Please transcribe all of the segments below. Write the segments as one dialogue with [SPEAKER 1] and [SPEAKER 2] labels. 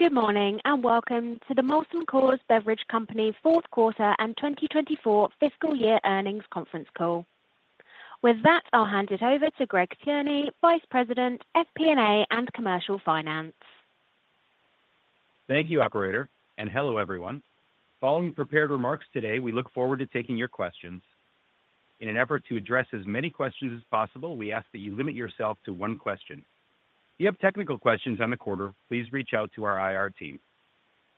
[SPEAKER 1] Good morning and welcome to the Molson Coors Beverage Company's fourth quarter and 2024 fiscal year earnings conference call. With that, I'll hand it over to Greg Tierney, Vice President, FP&A and Commercial Finance.
[SPEAKER 2] Thank you, Operator, and hello, everyone. Following prepared remarks today, we look forward to taking your questions. In an effort to address as many questions as possible, we ask that you limit yourself to one question. If you have technical questions on the quarter, please reach out to our IR team.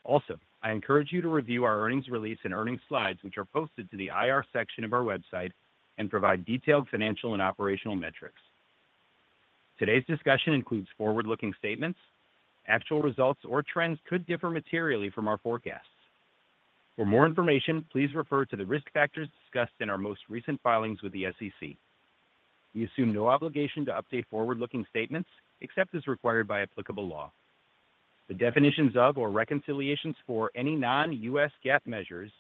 [SPEAKER 2] Also, I encourage you to review our earnings release and earnings slides, which are posted to the IR section of our website, and provide detailed financial and operational metrics. Today's discussion includes forward-looking statements. Actual results or trends could differ materially from our forecasts. For more information, please refer to the risk factors discussed in our most recent filings with the SEC. We assume no obligation to update forward-looking statements except as required by applicable law. The definitions of or reconciliations for any non-U.S. GAAP measures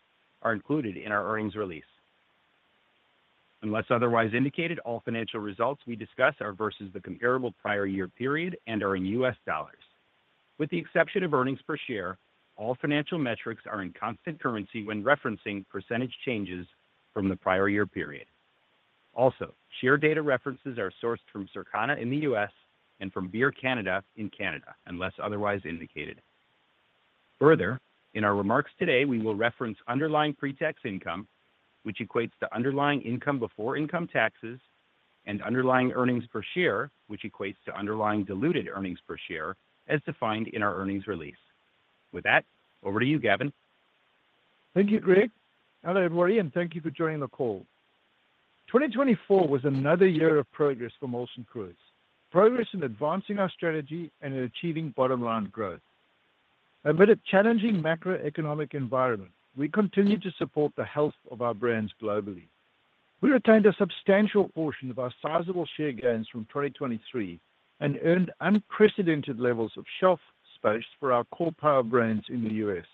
[SPEAKER 2] are included in our earnings release. Unless otherwise indicated, all financial results we discuss are versus the comparable prior year period and are in US dollars. With the exception of earnings per share, all financial metrics are in constant currency when referencing percentage changes from the prior year period. Also, share data references are sourced from Circana in the U.S. and from Beer Canada in Canada, unless otherwise indicated. Further, in our remarks today, we will reference underlying pretax income, which equates to underlying income before income taxes, and underlying earnings per share, which equates to underlying diluted earnings per share, as defined in our earnings release. With that, over to you, Gavin.
[SPEAKER 3] Thank you, Greg. Hello, everybody, and thank you for joining the call. 2024 was another year of progress for Molson Coors, progress in advancing our strategy and in achieving bottom-line growth. Amid a challenging macroeconomic environment, we continue to support the health of our brands globally. We retained a substantial portion of our sizable share gains from 2023 and earned unprecedented levels of shelf space for our core power brands in the U.S.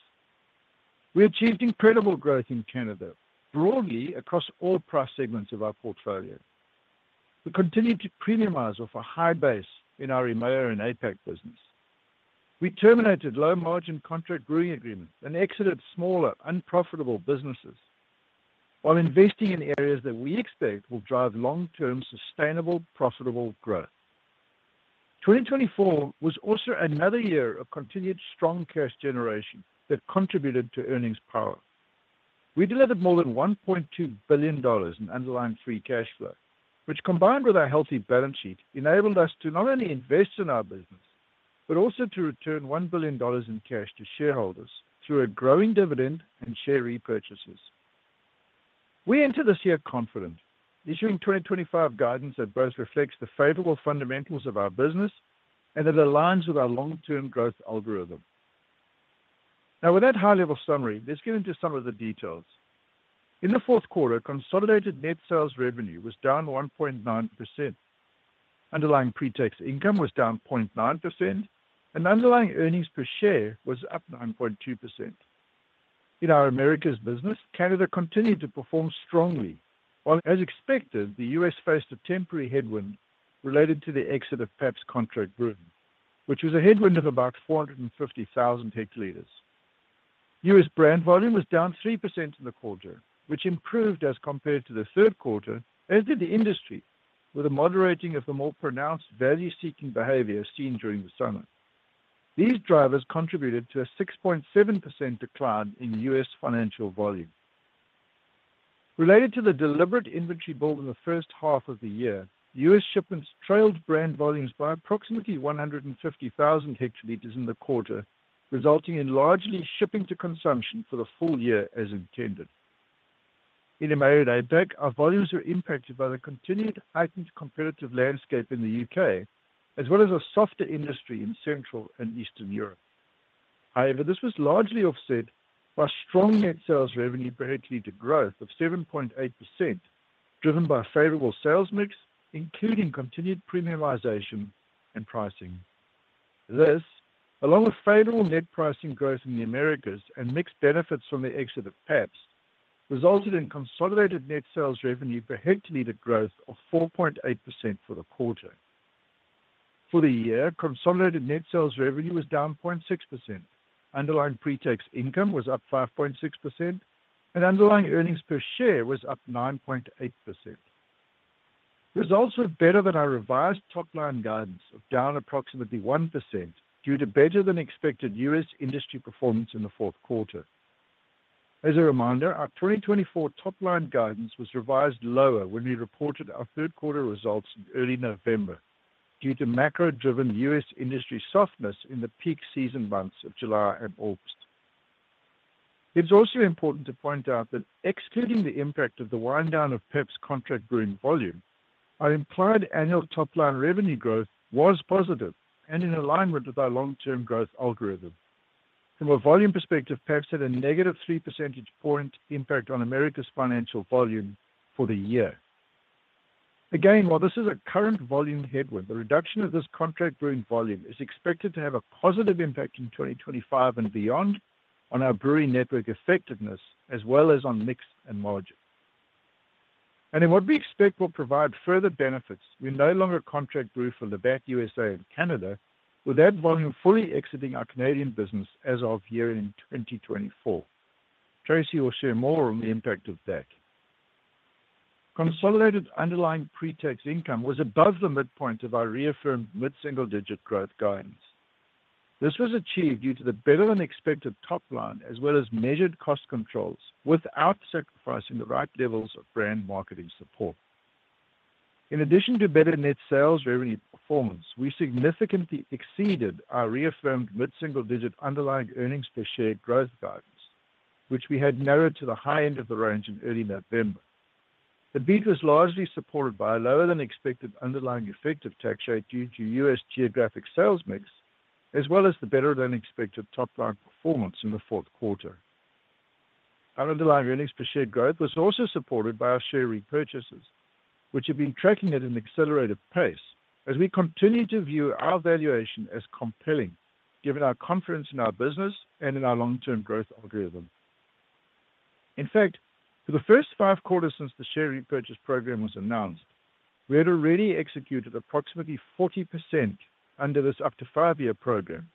[SPEAKER 3] We achieved incredible growth in Canada, broadly across all price segments of our portfolio. We continue to premiumize off a high base in our EMEA and APAC business. We terminated low-margin contract brewing agreements and exited smaller, unprofitable businesses, while investing in areas that we expect will drive long-term, sustainable, profitable growth. 2024 was also another year of continued strong cash generation that contributed to earnings power. We delivered more than $1.2 billion in underlying free cash flow, which, combined with our healthy balance sheet, enabled us to not only invest in our business but also to return $1 billion in cash to shareholders through a growing dividend and share repurchases. We enter this year confident, issuing 2025 guidance that both reflects the favorable fundamentals of our business and that aligns with our long-term growth algorithm. Now, with that high-level summary, let's get into some of the details. In the fourth quarter, consolidated net sales revenue was down 1.9%. Underlying pretax income was down 0.9%, and underlying earnings per share was up 9.2%. In our Americas business, Canada continued to perform strongly, while, as expected, the U.S. faced a temporary headwind related to the exit of Pabst contract brewing, which was a headwind of about 450,000 hectoliters. U.S. Brand volume was down 3% in the quarter, which improved as compared to the third quarter, as did the industry, with a moderating of the more pronounced value-seeking behavior seen during the summer. These drivers contributed to a 6.7% decline in U.S. financial volume. Related to the deliberate inventory build in the first half of the year, U.S. shipments trailed brand volumes by approximately 150,000 hectoliters in the quarter, resulting in largely shipping to consumption for the full year as intended. In EMEA and APAC, our volumes were impacted by the continued heightened competitive landscape in the UK, as well as a softer industry in Central and Eastern Europe. However, this was largely offset by strong net sales revenue per hectoliter growth of 7.8%, driven by a favorable sales mix, including continued premiumization and pricing. This, along with favorable net pricing growth in the Americas and mixed benefits from the exit of Pabst, resulted in consolidated net sales revenue per hectoliter growth of 4.8% for the quarter. For the year, consolidated net sales revenue was down 0.6%, underlying pretax income was up 5.6%, and underlying earnings per share was up 9.8%. Results were better than our revised top-line guidance of down approximately 1% due to better-than-expected U.S. industry performance in the fourth quarter. As a reminder, our 2024 top-line guidance was revised lower when we reported our third-quarter results in early November, due to macro-driven U.S. industry softness in the peak season months of July and August. It's also important to point out that, excluding the impact of the wind-down of Pabst contract brewing volume, our implied annual top-line revenue growth was positive and in alignment with our long-term growth algorithm. From a volume perspective, Pabst had a negative 3 percentage point impact on Americas financial volume for the year. Again, while this is a current volume headwind, the reduction of this contract brewing volume is expected to have a positive impact in 2025 and beyond on our brewing network effectiveness, as well as on mix and margin. In what we expect will provide further benefits, we no longer contract brew for Labatt USA, and Canada, with that volume fully exiting our Canadian business as of year-end 2024. Tracey will share more on the impact of that. Consolidated underlying pretax income was above the midpoint of our reaffirmed mid-single-digit growth guidance. This was achieved due to the better-than-expected top-line, as well as measured cost controls, without sacrificing the right levels of brand marketing support. In addition to better net sales revenue performance, we significantly exceeded our reaffirmed mid-single-digit underlying earnings per share growth guidance, which we had narrowed to the high end of the range in early November. The beat was largely supported by a lower-than-expected underlying effective tax rate due to U.S. geographic sales mix, as well as the better-than-expected top-line performance in the fourth quarter. Our underlying earnings per share growth was also supported by our share repurchases, which have been tracking at an accelerated pace as we continue to view our valuation as compelling, given our confidence in our business and in our long-term growth algorithm. In fact, for the first five quarters since the share repurchase program was announced, we had already executed approximately 40% under this up-to-five-year program,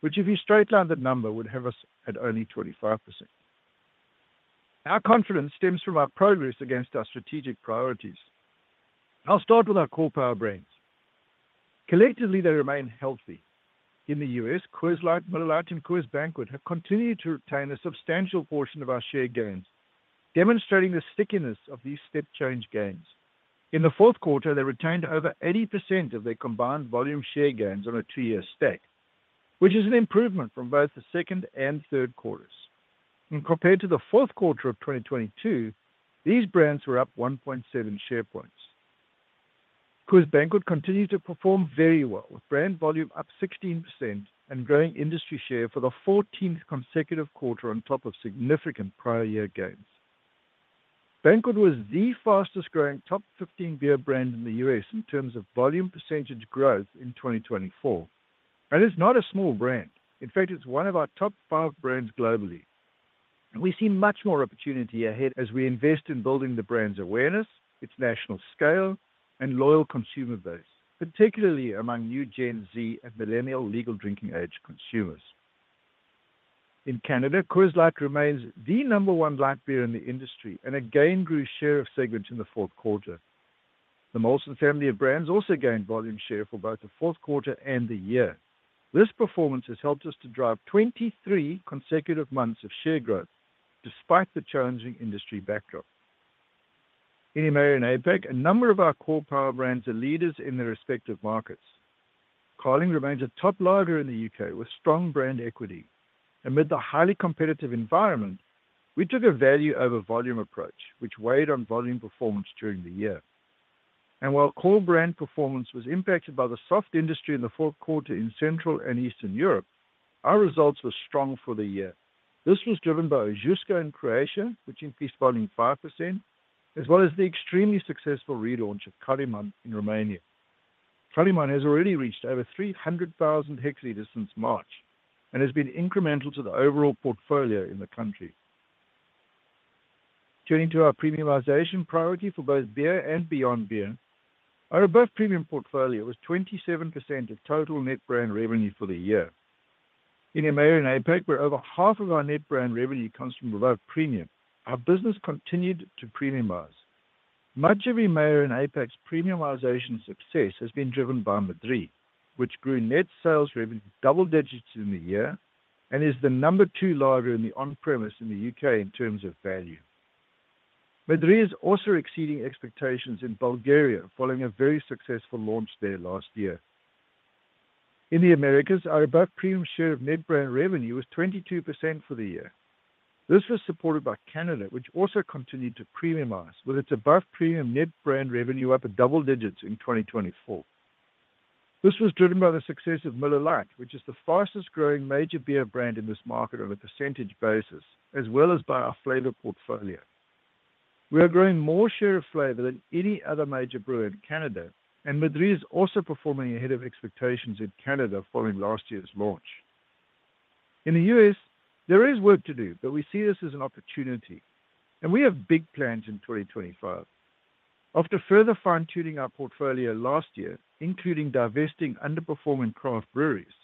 [SPEAKER 3] which, if we straight-lined that number, would have us at only 25%. Our confidence stems from our progress against our strategic priorities. I'll start with our core power brands. Collectively, they remain healthy. In the U.S., Coors Light, Miller Lite, and Coors Banquet have continued to retain a substantial portion of our share gains, demonstrating the stickiness of these step-change gains. In the fourth quarter, they retained over 80% of their combined volume share gains on a two-year stack, which is an improvement from both the second and third quarters. When compared to the fourth quarter of 2022, these brands were up 1.7 share points. Coors Banquet continues to perform very well, with brand volume up 16% and growing industry share for the 14th consecutive quarter on top of significant prior-year gains. Banquet was the fastest-growing top 15 beer brand in the U.S. in terms of volume percentage growth in 2024, and it's not a small brand. In fact, it's one of our top five brands globally. We see much more opportunity ahead as we invest in building the brand's awareness, its national scale, and loyal consumer base, particularly among new Gen Z and millennial legal drinking age consumers. In Canada, Coors Light remains the number one light beer in the industry and gained share of segments in the fourth quarter. The Molson family of brands also gained volume share for both the fourth quarter and the year. This performance has helped us to drive 23 consecutive months of share growth, despite the challenging industry backdrop. In EMEA and APAC, a number of our core power brands are leaders in their respective markets. Carling remains a top lager in the UK with strong brand equity. Amid the highly competitive environment, we took a value-over-volume approach, which weighed on volume performance during the year. While core brand performance was impacted by the soft industry in the fourth quarter in Central and Eastern Europe, our results were strong for the year. This was driven by Ožujsko in Croatia, which increased volume 5%, as well as the extremely successful relaunch of Caraiman in Romania. Caraiman has already reached over 300,000 hectoliters since March and has been incremental to the overall portfolio in the country. Turning to our premiumization priority for both beer and beyond beer, our above-premium portfolio was 27% of total net brand revenue for the year. In EMEA and APAC, where over half of our net brand revenue comes from above-premium, our business continued to premiumize. Much of EMEA and APAC's premiumization success has been driven by MadríExcepcional, which grew net sales revenue double-digits in the year and is the number two lager in the on-premise in the UK in terms of value. Madrí is also exceeding expectations in Bulgaria, following a very successful launch there last year. In the Americas, our above-premium share of net brand revenue was 22% for the year. This was supported by Canada, which also continued to premiumize, with its above-premium net brand revenue up at double digits in 2024. This was driven by the success of Miller Lite, which is the fastest-growing major beer brand in this market on a percentage basis, as well as by our flavor portfolio. We are growing more share of flavor than any other major brewer in Canada, and Madrí is also performing ahead of expectations in Canada following last year's launch. In the U.S., there is work to do, but we see this as an opportunity, and we have big plans in 2025.After further fine-tuning our portfolio last year, including divesting underperforming craft breweries,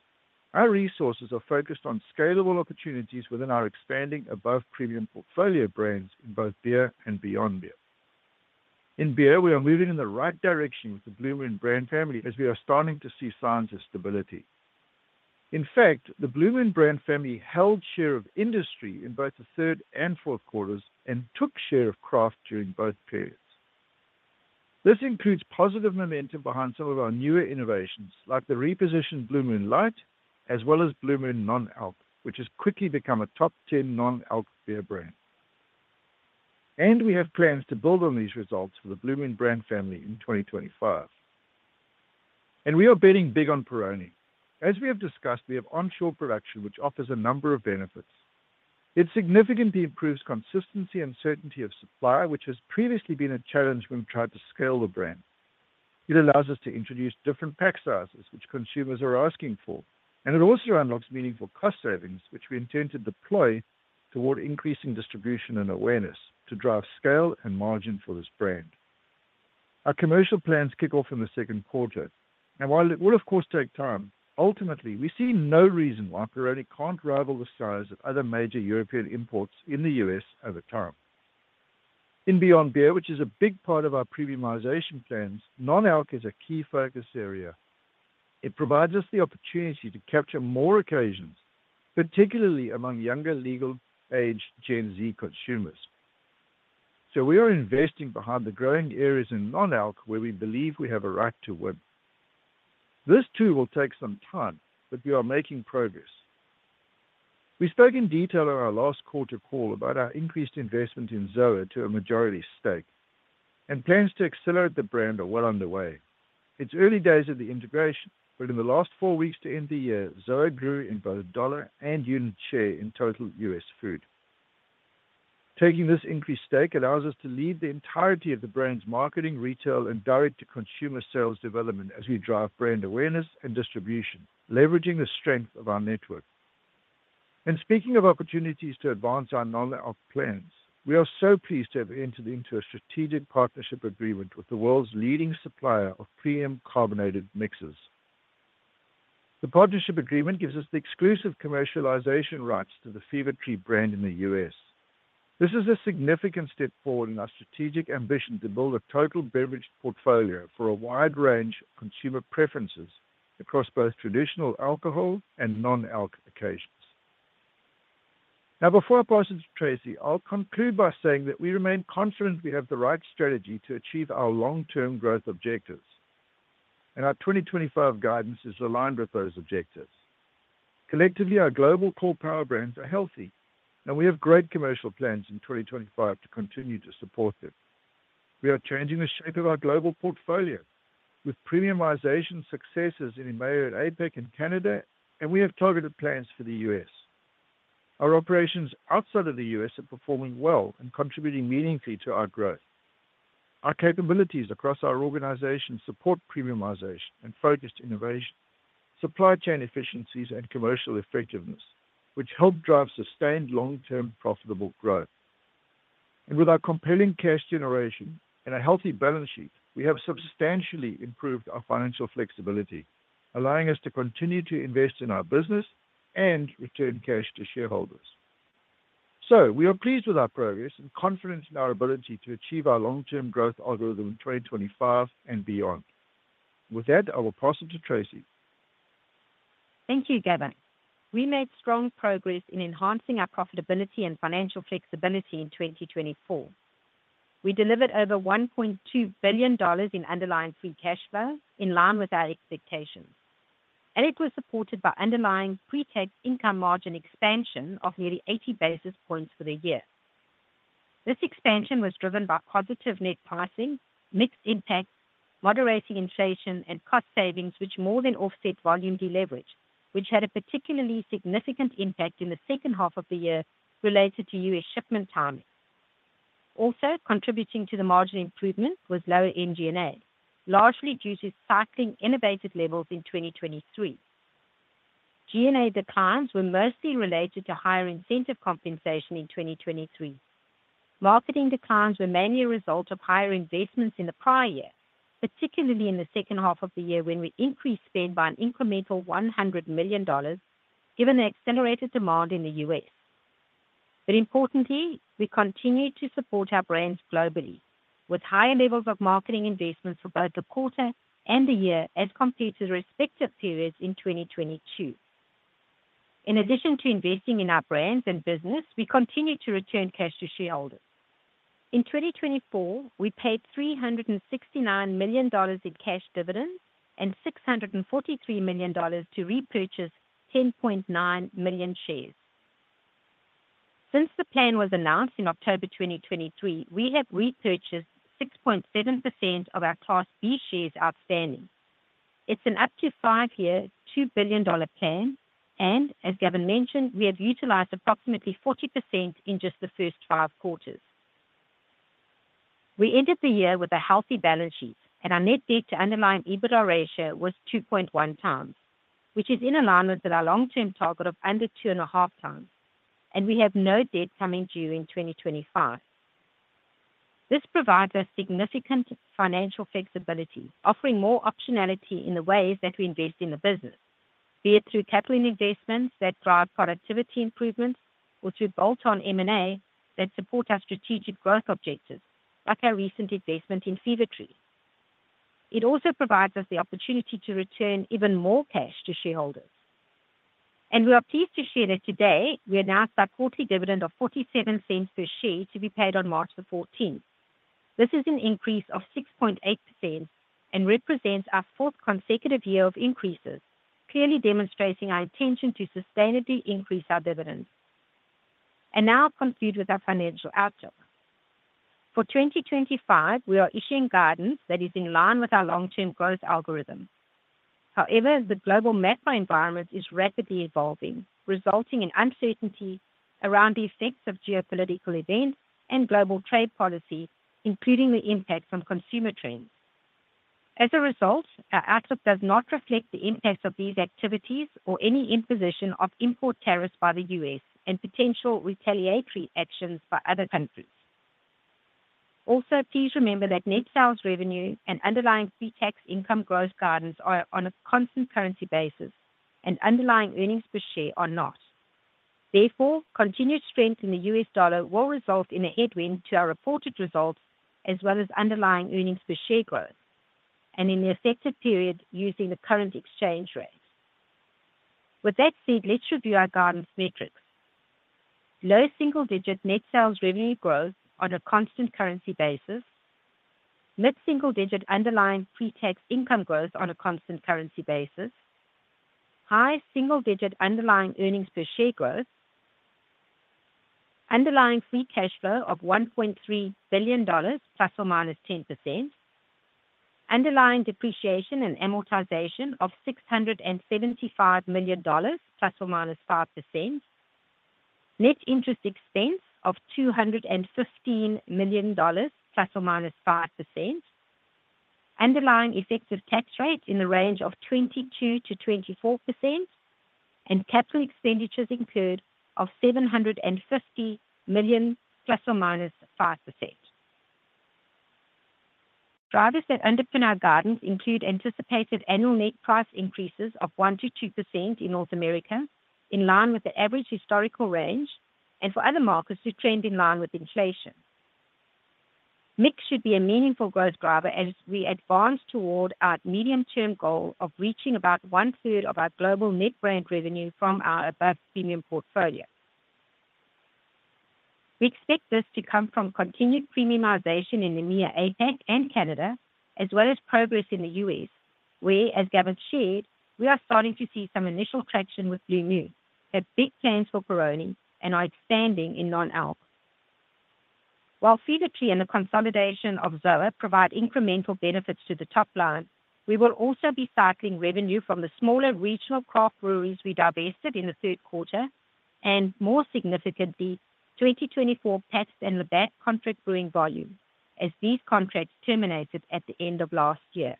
[SPEAKER 3] our resources are focused on scalable opportunities within our expanding above-premium portfolio brands in both beer and beyond beer. In beer, we are moving in the right direction with the Blue Moon brand family as we are starting to see signs of stability. In fact, the Blue Moon brand family held share of industry in both the third and fourth quarters and took share of craft during both periods. This includes positive momentum behind some of our newer innovations, like the repositioned Blue Moon Light, as well as Blue Moon Non-Alc, which has quickly become a top 10 non-alc beer brand. And we have plans to build on these results for the Blue Moon brand family in 2025. And we are betting big on Peroni. As we have discussed, we have onshore production, which offers a number of benefits.It significantly improves consistency and certainty of supply, which has previously been a challenge when we tried to scale the brand. It allows us to introduce different pack sizes, which consumers are asking for, and it also unlocks meaningful cost savings, which we intend to deploy toward increasing distribution and awareness to drive scale and margin for this brand. Our commercial plans kick off in the second quarter, and while it will, of course, take time, ultimately, we see no reason why Peroni can't rival the size of other major European imports in the U.S. over time. In Beyond Beer, which is a big part of our premiumization plans, non-alc is a key focus area. It provides us the opportunity to capture more occasions, particularly among younger legal-aged Gen Z consumers, so we are investing behind the growing areas in non-alc where we believe we have a right to win. This, too, will take some time, but we are making progress. We spoke in detail on our last quarter call about our increased investment in ZOA to a majority stake, and plans to accelerate the brand are well underway. It's early days of the integration, but in the last four weeks to end the year, ZOA grew in both dollar and unit share in Total US Food. Taking this increased stake allows us to lead the entirety of the brand's marketing, retail, and direct-to-consumer sales development as we drive brand awareness and distribution, leveraging the strength of our network, and speaking of opportunities to advance our non-alc plans, we are so pleased to have entered into a strategic partnership agreement with the world's leading supplier of premium carbonated mixes. The partnership agreement gives us the exclusive commercialization rights to the Fever-Tree brand in the U.S. This is a significant step forward in our strategic ambition to build a total beverage portfolio for a wide range of consumer preferences across both traditional alcohol and non-alc occasions. Now, before I pass it to Tracey, I'll conclude by saying that we remain confident we have the right strategy to achieve our long-term growth objectives, and our 2025 guidance is aligned with those objectives. Collectively, our global core power brands are healthy, and we have great commercial plans in 2025 to continue to support them. We are changing the shape of our global portfolio, with premiumization successes in EMEA and APAC and Canada, and we have targeted plans for the U.S. Our operations outside of the U.S. are performing well and contributing meaningfully to our growth. Our capabilities across our organization support premiumization and focused innovation, supply chain efficiencies, and commercial effectiveness, which help drive sustained long-term profitable growth. With our compelling cash generation and a healthy balance sheet, we have substantially improved our financial flexibility, allowing us to continue to invest in our business and return cash to shareholders. We are pleased with our progress and confident in our ability to achieve our long-term growth algorithm in 2025 and beyond. With that, I will pass it to Tracey.
[SPEAKER 4] Thank you, Gavin. We made strong progress in enhancing our profitability and financial flexibility in 2024. We delivered over $1.2 billion in underlying free cash flow in line with our expectations, and it was supported by underlying pretax income margin expansion of nearly 80 basis points for the year. This expansion was driven by positive net pricing, mixed impact, moderating inflation, and cost savings, which more than offset volume deleverage, which had a particularly significant impact in the second half of the year related to U.S. shipment timing. Also, contributing to the margin improvement was lower MG&A, largely due to cycling innovative levels in 2023. G&A declines were mostly related to higher incentive compensation in 2023. Marketing declines were mainly a result of higher investments in the prior year, particularly in the second half of the year when we increased spend by an incremental $100 million, given the accelerated demand in the U.S. But importantly, we continue to support our brands globally, with higher levels of marketing investments for both the quarter and the year as compared to the respective periods in 2022. In addition to investing in our brands and business, we continue to return cash to shareholders. In 2024, we paid $369 million in cash dividends and $643 million to repurchase 10.9 million shares. Since the plan was announced in October 2023, we have repurchased 6.7% of our Class B shares outstanding. It's an up-to-5-year, $2 billion plan, and as Gavin mentioned, we have utilized approximately 40% in just the first five quarters. We entered the year with a healthy balance sheet, and our net debt to underlying EBITDA ratio was 2.1x, which is in alignment with our long-term target of under 2.5x and we have no debt coming due in 2025. This provides us significant financial flexibility, offering more optionality in the ways that we invest in the business, be it through capital investments that drive productivity improvements or through bolt-on M&A that support our strategic growth objectives, like our recent investment in Fever-Tree. It also provides us the opportunity to return even more cash to shareholders. And we are pleased to share that today we announced our quarterly dividend of $0.47 per share to be paid on March 14. This is an increase of 6.8% and represents our fourth consecutive year of increases, clearly demonstrating our intention to sustainably increase our dividends, and now conclude with our financial outlook. For 2025, we are issuing guidance that is in line with our long-term growth algorithm. However, the global macro environment is rapidly evolving, resulting in uncertainty around the effects of geopolitical events and global trade policy, including the impact on consumer trends. As a result, our outlook does not reflect the impacts of these activities or any imposition of import tariffs by the U.S. and potential retaliatory actions by other countries. Also, please remember that net sales revenue and underlying pre-tax income growth guidance are on a constant currency basis, and underlying earnings per share are not. Therefore, continued strength in the U.S. Dollar will result in a headwind to our reported results, as well as underlying earnings per share growth, and in the effective period using the current exchange rate. With that said, let's review our guidance metrics. Low single-digit net sales revenue growth on a constant currency basis. Mid-single-digit underlying pre-tax income growth on a constant currency basis. High single-digit underlying earnings per share growth. Underlying free cash flow of $1.3 billion, plus or minus 10%. Underlying depreciation and amortization of $675 million, plus or minus 5%. Net interest expense of $215 million, plus or minus 5%. Underlying effective tax rate in the range of 22%-24%, and capital expenditures incurred of $750 million, plus or minus 5%.Drivers that underpin our guidance include anticipated annual net price increases of 1%-2% in North America, in line with the average historical range, and for other markets to trend in line with inflation. Mix should be a meaningful growth driver as we advance toward our medium-term goal of reaching about one-third of our global net brand revenue from our above-premium portfolio. We expect this to come from continued premiumization in EMEA, APAC, and Canada, as well as progress in the U.S., where, as Gavin shared, we are starting to see some initial traction with Blue Moon, have big plans for Peroni, and are expanding in non-alc. While Fever-Tree and the consolidation of ZOA provide incremental benefits to the top line, we will also be cycling revenue from the smaller regional craft breweries we divested in the third quarter, and more significantly, 2024 Pabst and Labatt contract brewing volume, as these contracts terminated at the end of last year.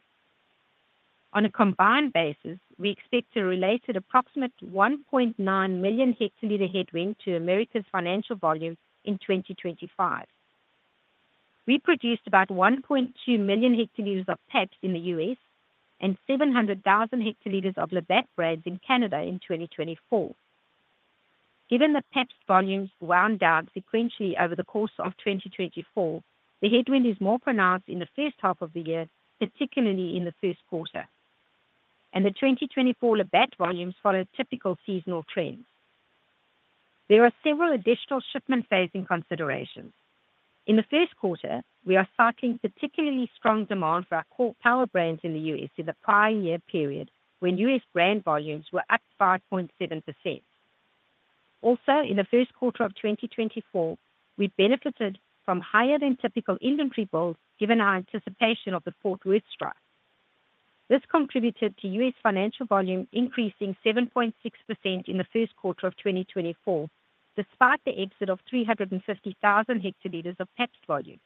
[SPEAKER 4] On a combined basis, we expect to incur an approximate 1.9 million hectoliters headwind to Americas financial volume in 2025. We produced about 1.2 million hectoliters of Pabst in the U.S. and 700,000 hectoliters of Labatt brands in Canada in 2024. Given the Pabst volumes wound down sequentially over the course of 2024, the headwind is more pronounced in the first half of the year, particularly in the first quarter, and the 2024 Labatt volumes follow typical seasonal trends. There are several additional shipment phasing considerations.In the first quarter, we are cycling particularly strong demand for our core power brands in the U.S. in the prior year period, when U.S. brand volumes were up 5.7%. Also, in the first quarter of 2024, we benefited from higher than typical inventory builds, given our anticipation of the fourth wave strike. This contributed to U.S. financial volume increasing 7.6% in the first quarter of 2024, despite the exit of 350,000 hectoliters of Pabst volume.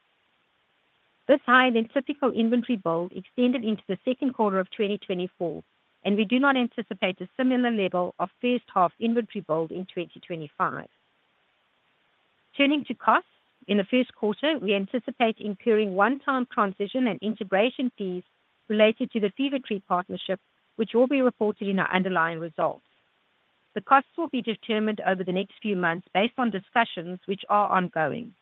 [SPEAKER 4] This higher than typical inventory build extended into the second quarter of 2024, and we do not anticipate a similar level of first-half inventory build in 2025. Turning to costs, in the first quarter, we anticipate incurring one-time transition and integration fees related to the Fever-Tree partnership, which will be reported in our underlying results. The costs will be determined over the next few months based on discussions, which are ongoing.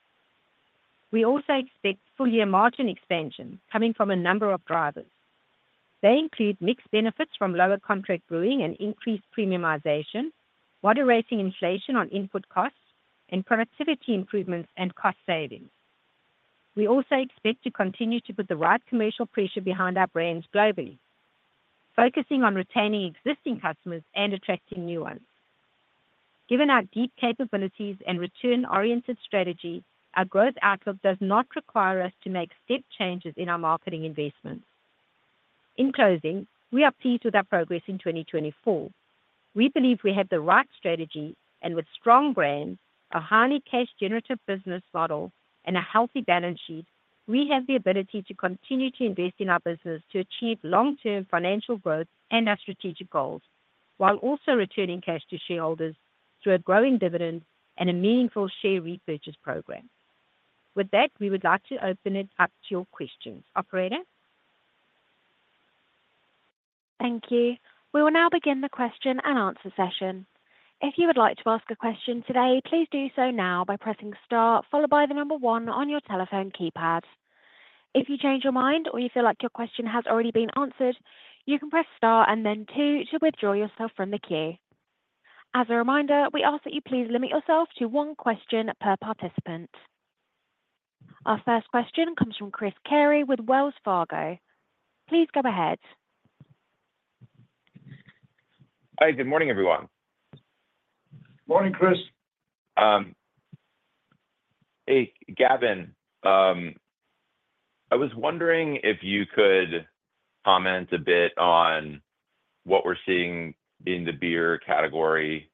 [SPEAKER 4] We also expect full-year margin expansion coming from a number of drivers. They include mixed benefits from lower contract brewing and increased premiumization, moderating inflation on input costs, and productivity improvements and cost savings. We also expect to continue to put the right commercial pressure behind our brands globally, focusing on retaining existing customers and attracting new ones. Given our deep capabilities and return-oriented strategy, our growth outlook does not require us to make step changes in our marketing investments. In closing, we are pleased with our progress in 2024. We believe we have the right strategy, and with strong brands, a highly cash-generative business model, and a healthy balance sheet, we have the ability to continue to invest in our business to achieve long-term financial growth and our strategic goals, while also returning cash to shareholders through a growing dividend and a meaningful share repurchase program. With that, we would like to open it up to your questions, operator.
[SPEAKER 1] Thank you. We will now begin the question and answer session. If you would like to ask a question today, please do so now by pressing star, followed by the 1 on your telephone keypad. If you change your mind or you feel like your question has already been answered, you can press star and then 2 to withdraw yourself from the queue. As a reminder, we ask that you please limit yourself to one question per participant. Our first question comes from Chris Carey with Wells Fargo. Please go ahead.
[SPEAKER 5] Hi, good morning, everyone.
[SPEAKER 3] Morning, Chris.
[SPEAKER 5] Hey, Gavin. I was wondering if you could comment a bit on what we're seeing in the beer category,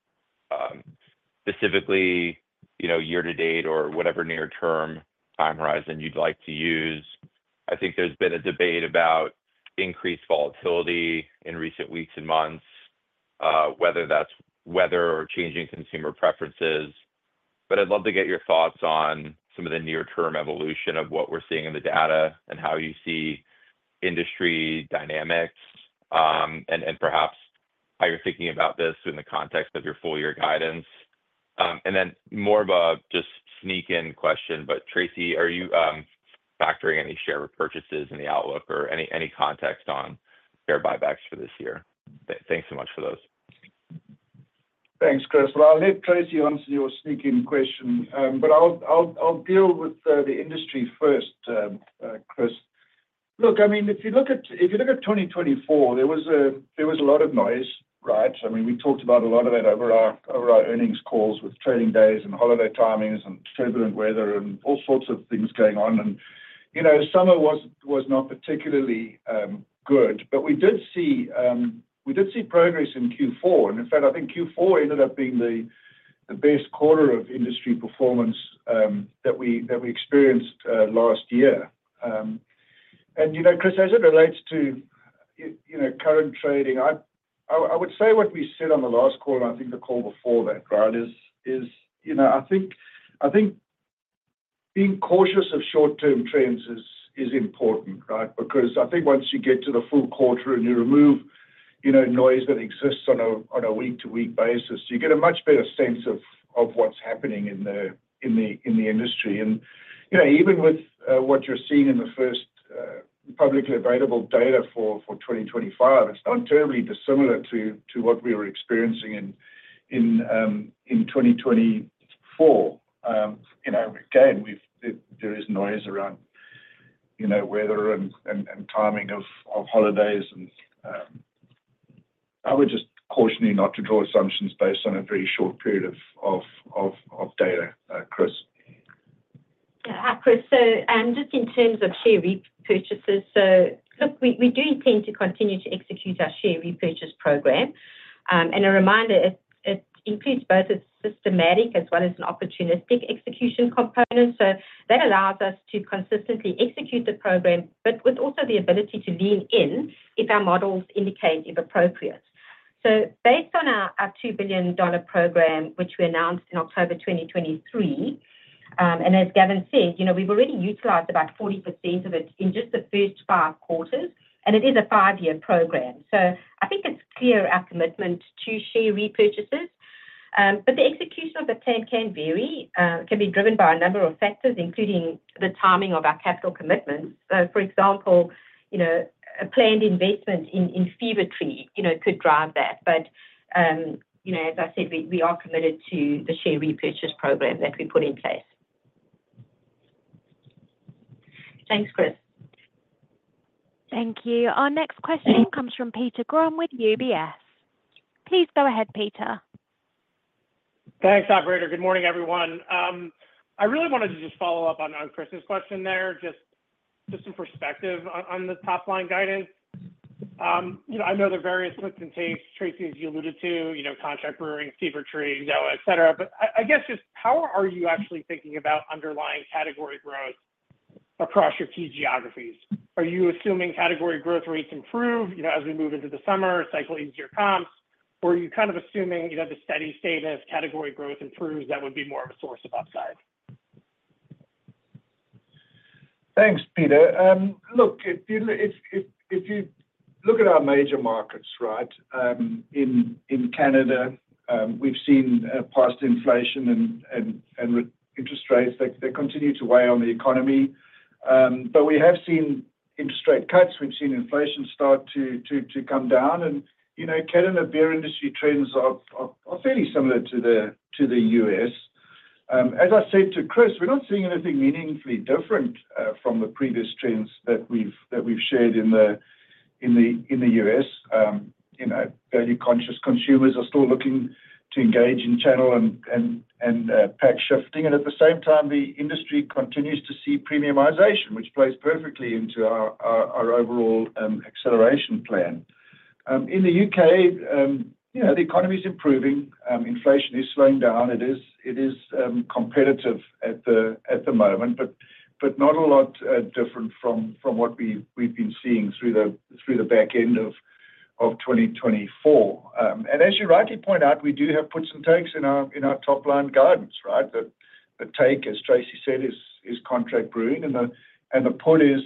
[SPEAKER 5] specifically year-to-date or whatever near-term time horizon you'd like to use.I think there's been a debate about increased volatility in recent weeks and months, whether that's weather or changing consumer preferences. But I'd love to get your thoughts on some of the near-term evolution of what we're seeing in the data and how you see industry dynamics, and perhaps how you're thinking about this in the context of your full-year guidance. And then more of a just sneak-in question, but Tracey, are you factoring any share repurchases in the outlook or any context on share buybacks for this year? Thanks so much for those.
[SPEAKER 3] Thanks, Chris. Well, I'll let Tracey answer your sneak-in question, but I'll deal with the industry first, Chris. Look, I mean, if you look at 2024, there was a lot of noise, right?I mean, we talked about a lot of that over our earnings calls with trading days and holiday timings and turbulent weather and all sorts of things going on. Summer was not particularly good, but we did see progress in Q4. In fact, I think Q4 ended up being the best quarter of industry performance that we experienced last year. Chris, as it relates to current trading, I would say what we said on the last call, and I think the call before that, right, is I think being cautious of short-term trends is important, right? Because I think once you get to the full quarter and you remove noise that exists on a week-to-week basis, you get a much better sense of what's happening in the industry. And even with what you're seeing in the first publicly available data for 2025, it's not terribly dissimilar to what we were experiencing in 2024. Again, there is noise around weather and timing of holidays, and I would just caution you not to draw assumptions based on a very short period of data, Chris.
[SPEAKER 4] Yeah, Chris, so just in terms of share repurchases, so look, we do intend to continue to execute our share repurchase program. And a reminder, it includes both a systematic as well as an opportunistic execution component. So that allows us to consistently execute the program, but with also the ability to lean in if our models indicate it's appropriate. So based on our $2 billion program, which we announced in October 2023, and as Gavin said, we've already utilized about 40% of it in just the first 5 quarters, and it is a 5-year program. So I think it's clear our commitment to share repurchases, but the execution of the plan can vary. It can be driven by a number of factors, including the timing of our capital commitments. So for example, a planned investment in Fever-Tree could drive that. But as I said, we are committed to the share repurchase program that we put in place.
[SPEAKER 1] Thanks, Chris. Thank you. Our next question comes from Peter Grom with UBS. Please go ahead, Peter.
[SPEAKER 6] Thanks, Operator. Good morning, everyone. I really wanted to just follow up on Chris's question there, just some perspective on the top line guidance. I know there are various slips and takes, Tracey, as you alluded to, contract brewing, Fever-Tree, ZOA, etc. But I guess just how are you actually thinking about underlying category growth across your key geographies? Are you assuming category growth rates improve as we move into the summer, cycle easier comps, or are you kind of assuming the steady state of category growth improves that would be more of a source of upside?
[SPEAKER 3] Thanks, Peter. Look, if you look at our major markets, right, in Canada, we've seen past inflation and interest rates that continue to weigh on the economy. But we have seen interest rate cuts. We've seen inflation start to come down. And Canada beer industry trends are fairly similar to the U.S. As I said to Chris, we're not seeing anything meaningfully different from the previous trends that we've shared in the U.S. Value-conscious consumers are still looking to engage in channel and pack shifting. And at the same time, the industry continues to see premiumization, which plays perfectly into our overall acceleration plan. In the U.K., the economy is improving. Inflation is slowing down. It is competitive at the moment, but not a lot different from what we've been seeing through the back end of 2024. And as you rightly point out, we do have puts and takes in our top line guidance, right? The take, as Tracey said, is contract brewing, and the put is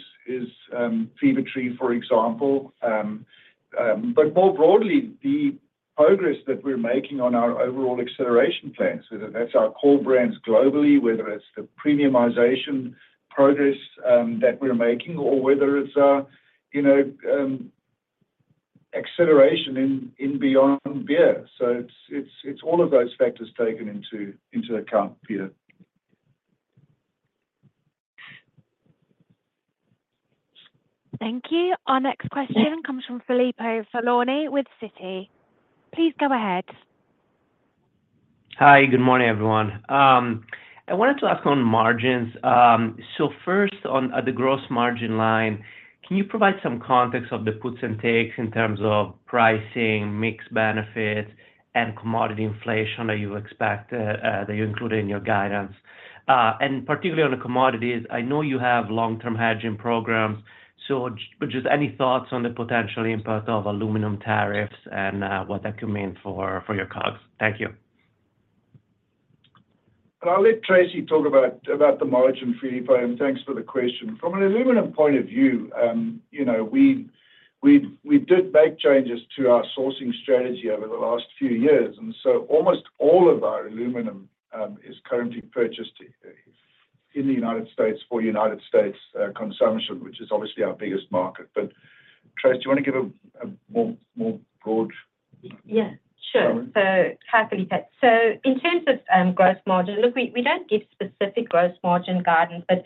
[SPEAKER 3] Fever-Tree, for example. But more broadly, the progress that we're making on our overall acceleration plans, whether that's our core brands globally, whether it's the premiumization progress that we're making, or whether it's acceleration in beyond beer. So it's all of those factors taken into account, Peter.
[SPEAKER 1] Thank you. Our next question comes from Filippo Falorni with Citi. Please go ahead. Hi, good morning, everyone. I wanted to ask on margins.
[SPEAKER 7] So first, on the gross margin line, can you provide some context of the puts and takes in terms of pricing, mix benefits, and commodity inflation that you expect that you include in your guidance? And particularly on the commodities, I know you have long-term hedging programs. So just any thoughts on the potential impact of aluminum tariffs and what that could mean for your COGS? Thank you.
[SPEAKER 3] And I'll let Tracey talk about the margin for you, but thanks for the question. From an aluminum point of view, we did make changes to our sourcing strategy over the last few years. And so almost all of our aluminum is currently purchased in the United States for United States consumption, which is obviously our biggest market. But Tracey, do you want to give a more broad comment?
[SPEAKER 4] Yeah, sure. So in terms of gross margin, look, we don't give specific gross margin guidance, but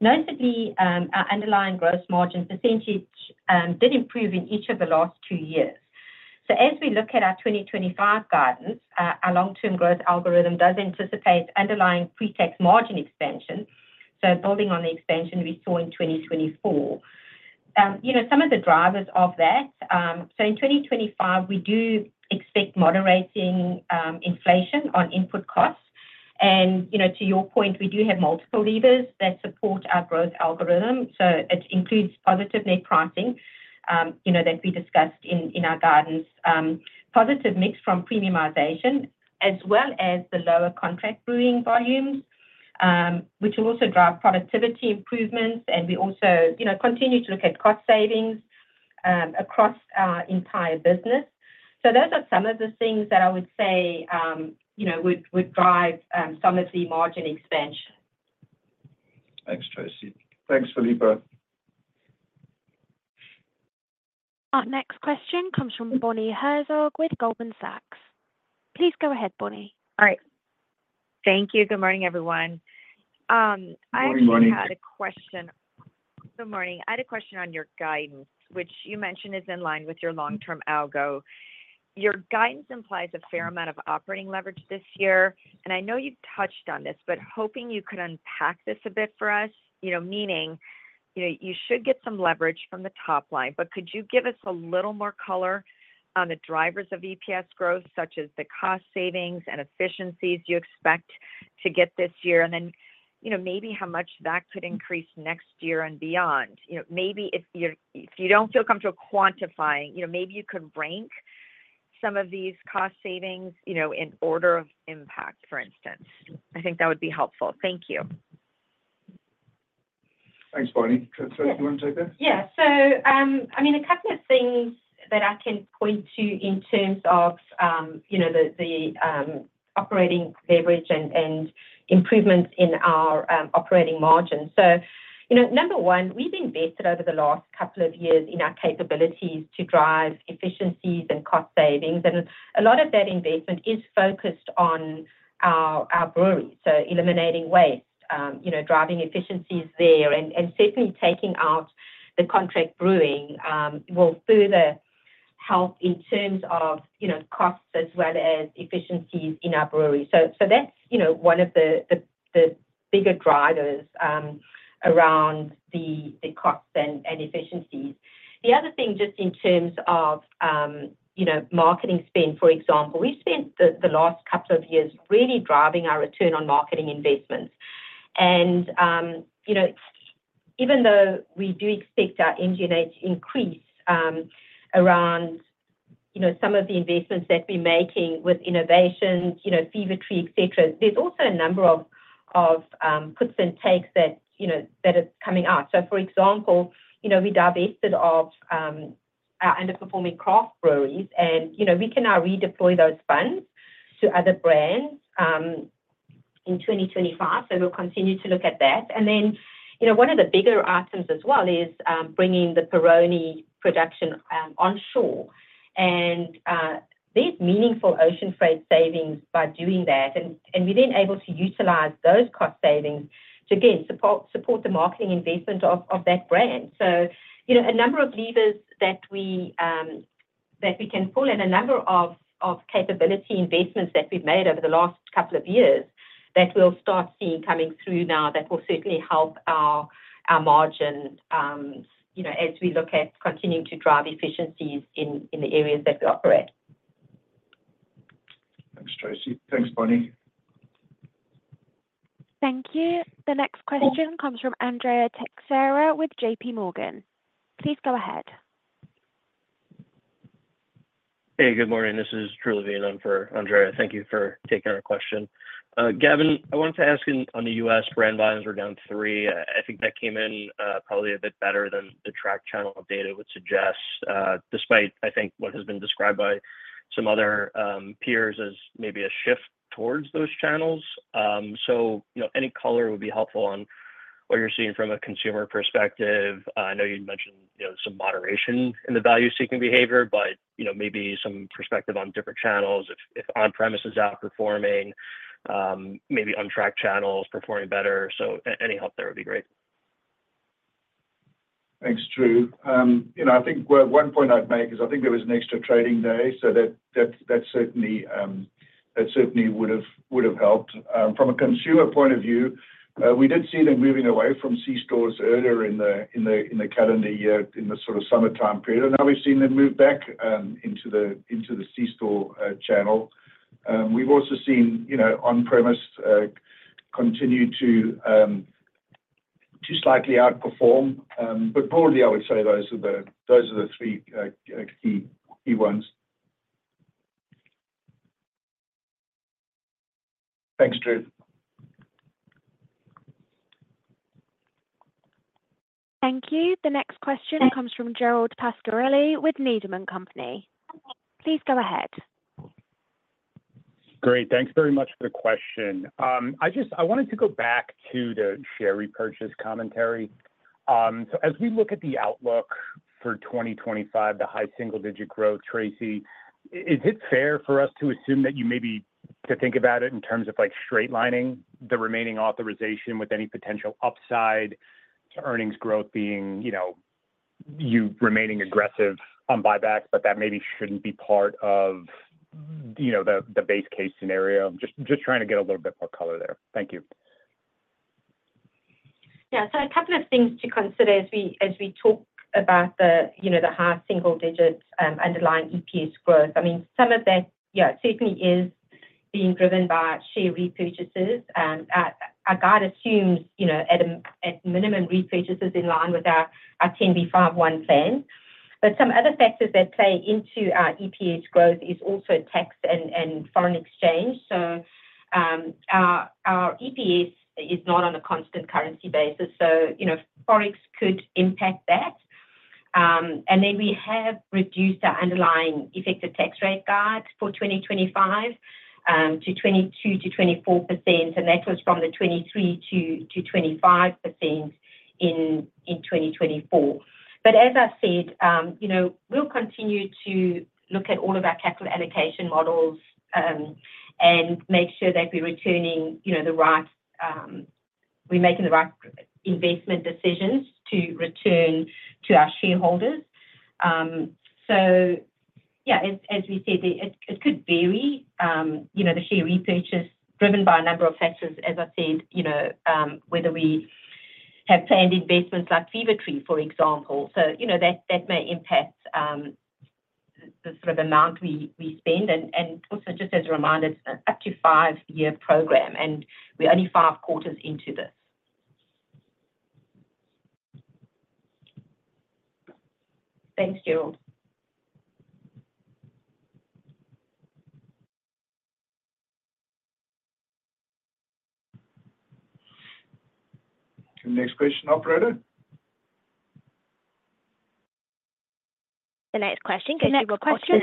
[SPEAKER 4] notably, our underlying gross margin percentage did improve in each of the last two years. So as we look at our 2025 guidance, our long-term growth algorithm does anticipate underlying pre-tax margin expansion. So building on the expansion we saw in 2024, some of the drivers of that. So in 2025, we do expect moderating inflation on input costs. And to your point, we do have multiple levers that support our growth algorithm. So it includes positive net pricing that we discussed in our guidance, positive mix from premiumization, as well as the lower contract brewing volumes, which will also drive productivity improvements. And we also continue to look at cost savings across our entire business. So those are some of the things that I would say would drive some of the margin expansion.
[SPEAKER 7] Thanks, Tracey.
[SPEAKER 3] Thanks, Filippo.
[SPEAKER 1] Our next question comes from Bonnie Herzog with Goldman Sachs. Please go ahead, Bonnie.
[SPEAKER 8] All right. Thank you. Good morning, everyone. Good morning. I actually had a question on your guidance, which you mentioned is in line with your long-term algo. Your guidance implies a fair amount of operating leverage this year. And I know you've touched on this, but hoping you could unpack this a bit for us, meaning you should get some leverage from the top line. But could you give us a little more color on the drivers of EPS growth, such as the cost savings and efficiencies you expect to get this year, and then maybe how much that could increase next year and beyond? Maybe if you don't feel comfortable quantifying, maybe you could rank some of these cost savings in order of impact, for instance. I think that would be helpful. Thank you.
[SPEAKER 3] Thanks, Bonnie. Tracey, do you want to take that?
[SPEAKER 4] Yeah. So I mean, a couple of things that I can point to in terms of the operating leverage and improvements in our operating margin. So number one, we've invested over the last couple of years in our capabilities to drive efficiencies and cost savings. And a lot of that investment is focused on our breweries, so eliminating waste, driving efficiencies there, and certainly taking out the contract brewing will further help in terms of costs as well as efficiencies in our breweries. So that's one of the bigger drivers around the costs and efficiencies. The other thing, just in terms of marketing spend, for example, we've spent the last couple of years really driving our return on marketing investments. And even though we do expect our MG&A to increase around some of the investments that we're making with innovations, Fever-Tree, etc., there's also a number of puts and takes that are coming out. So for example, we divested of our underperforming craft breweries, and we can now redeploy those funds to other brands in 2025. So we'll continue to look at that. And then one of the bigger items as well is bringing the Peroni production onshore. And there's meaningful ocean freight savings by doing that. And we're then able to utilize those cost savings to, again, support the marketing investment of that brand. So a number of levers that we can pull and a number of capability investments that we've made over the last couple of years that we'll start seeing coming through now that will certainly help our margin as we look at continuing to drive efficiencies in the areas that we operate.
[SPEAKER 3] Thanks, Tracey. Thanks, Bonnie.
[SPEAKER 1] Thank you. The next question comes from Andrea Teixeira with JPMorgan. Please go ahead.
[SPEAKER 9] Hey, good morning. This is Drew Levine for Andrea. Thank you for taking our question. Gavin, I wanted to ask on the U.S. brand buy-ins, we're down three. I think that came in probably a bit better than the track channel data would suggest, despite, I think, what has been described by some other peers as maybe a shift towards those channels. So any color would be helpful on what you're seeing from a consumer perspective. I know you'd mentioned some moderation in the value-seeking behavior, but maybe some perspective on different channels. If on-premise is outperforming, maybe off-premise channels performing better. So any help there would be great.
[SPEAKER 3] Thanks, Drew. I think one point I'd make is I think there was an extra trading day, so that certainly would have helped. From a consumer point of view, we did see them moving away from C-stores earlier in the calendar year in the sort of summertime period. And now we've seen them move back into the C-store channel. We've also seen on-premise continue to slightly outperform. But broadly, I would say those are the three key ones. Thanks, Drew.
[SPEAKER 1] Thank you. The next question comes from Gerald Pascarelli with Needham & Company.Please go ahead.
[SPEAKER 10] Great. Thanks very much for the question. I wanted to go back to the share repurchase commentary. So as we look at the outlook for 2025, the high single-digit growth, Tracey, is it fair for us to assume that you maybe to think about it in terms of straightlining the remaining authorization with any potential upside to earnings growth being you remaining aggressive on buybacks, but that maybe shouldn't be part of the base case scenario? Just trying to get a little bit more color there. Thank you.
[SPEAKER 11] Yeah. So a couple of things to consider as we talk about the high single-digit underlying EPS growth. I mean, some of that, yeah, certainly is being driven by share repurchases. Our guide assumes at minimum repurchases in line with our 10b5-1 plan. But some other factors that play into our EPS growth is also tax and foreign exchange. So our EPS is not on a constant currency basis. So Forex could impact that. Then we have reduced our underlying effective tax rate guide for 2025 to 22%-24%. That was from the 23%-25% in 2024. As I said, we'll continue to look at all of our capital allocation models and make sure that we're making the right investment decisions to return to our shareholders. Yeah, as we said, it could vary. The share repurchase driven by a number of factors, as I said, whether we have planned investments like Fever-Tree, for example. That may impact the sort of amount we spend. Also, just as a reminder, it's an up to five-year program, and we're only five quarters into this. Thanks, Gerald.
[SPEAKER 3] Next question, Operator.
[SPEAKER 1] The next question goes to Rob Hodgson.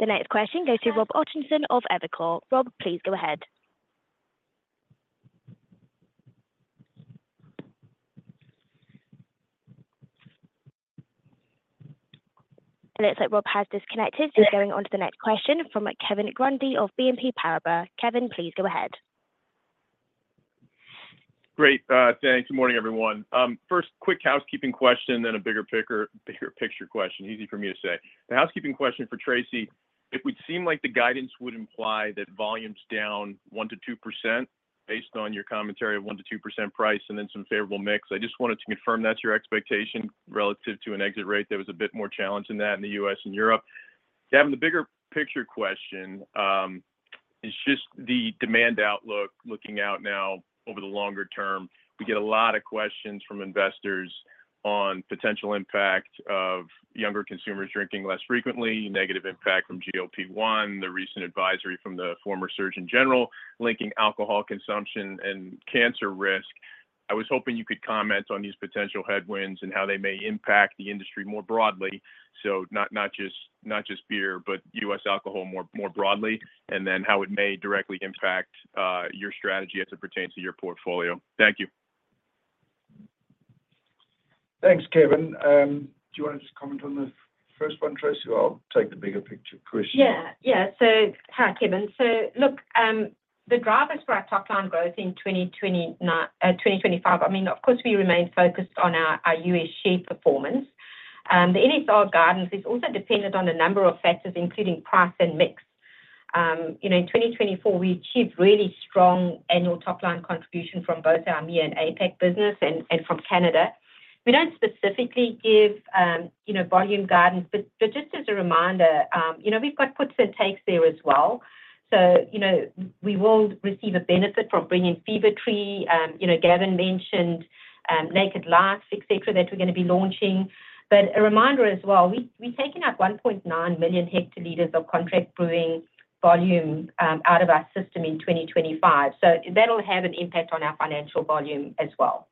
[SPEAKER 1] The next question goes to Rob Hodgson of Evercore. Rob, please go ahead.It looks like Rob has disconnected. So we're going on to the next question from Kevin Grundy of BNP Paribas.
[SPEAKER 12] Kevin, please go ahead. Great. Thanks. Good morning, everyone. First, quick housekeeping question, then a bigger picture question. Easy for me to say. The housekeeping question for Tracey, it would seem like the guidance would imply that volumes down 1%-2% based on your commentary of 1%-2% price and then some favorable mix. I just wanted to confirm that's your expectation relative to an exit rate that was a bit more challenged than that in the U.S. and Europe. Kevin, the bigger picture question is just the demand outlook looking out now over the longer term. We get a lot of questions from investors on potential impact of younger consumers drinking less frequently, negative impact from GLP-1, the recent advisory from the former Surgeon General linking alcohol consumption and cancer risk. I was hoping you could comment on these potential headwinds and how they may impact the industry more broadly, so not just beer, but U.S. alcohol more broadly, and then how it may directly impact your strategy as it pertains to your portfolio. Thank you.
[SPEAKER 3] Thanks, Kevin. Do you want to just comment on the first one, Tracey? I'll take the bigger picture question.
[SPEAKER 4] Yeah. Yeah, so hi, Kevin. So look, the drivers for our top-line growth in 2025, I mean, of course, we remain focused on our U.S. share performance. The NSR guidance is also dependent on a number of factors, including price and mix. In 2024, we achieved really strong annual top-line contribution from both our ME and APAC business and from Canada. We don't specifically give volume guidance, but just as a reminder, we've got puts and takes there as well. So we will receive a benefit from bringing Fever-Tree. Gavin mentioned Naked Life, etc., that we're going to be launching. But a reminder as well, we're taking out 1.9 million hectoliters of contract brewing volume out of our system in 2025. So that'll have an impact on our financial volume as well.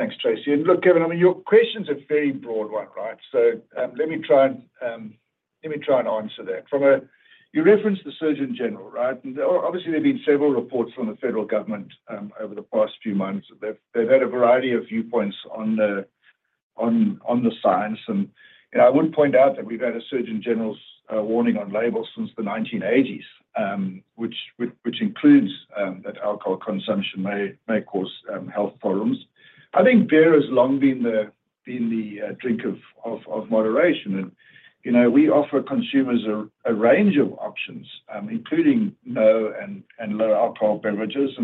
[SPEAKER 4] Thanks, Tracey.
[SPEAKER 3] And look, Kevin, I mean, your questions are very broad one, right? So let me try and answer that. You referenced the Surgeon General, right? And obviously, there have been several reports from the federal government over the past few months. They've had a variety of viewpoints on the science. I would point out that we've had a Surgeon General's warning on labels since the 1980s, which includes that alcohol consumption may cause health problems. I think beer has long been the drink of moderation. We offer consumers a range of options, including no and low alcohol beverages.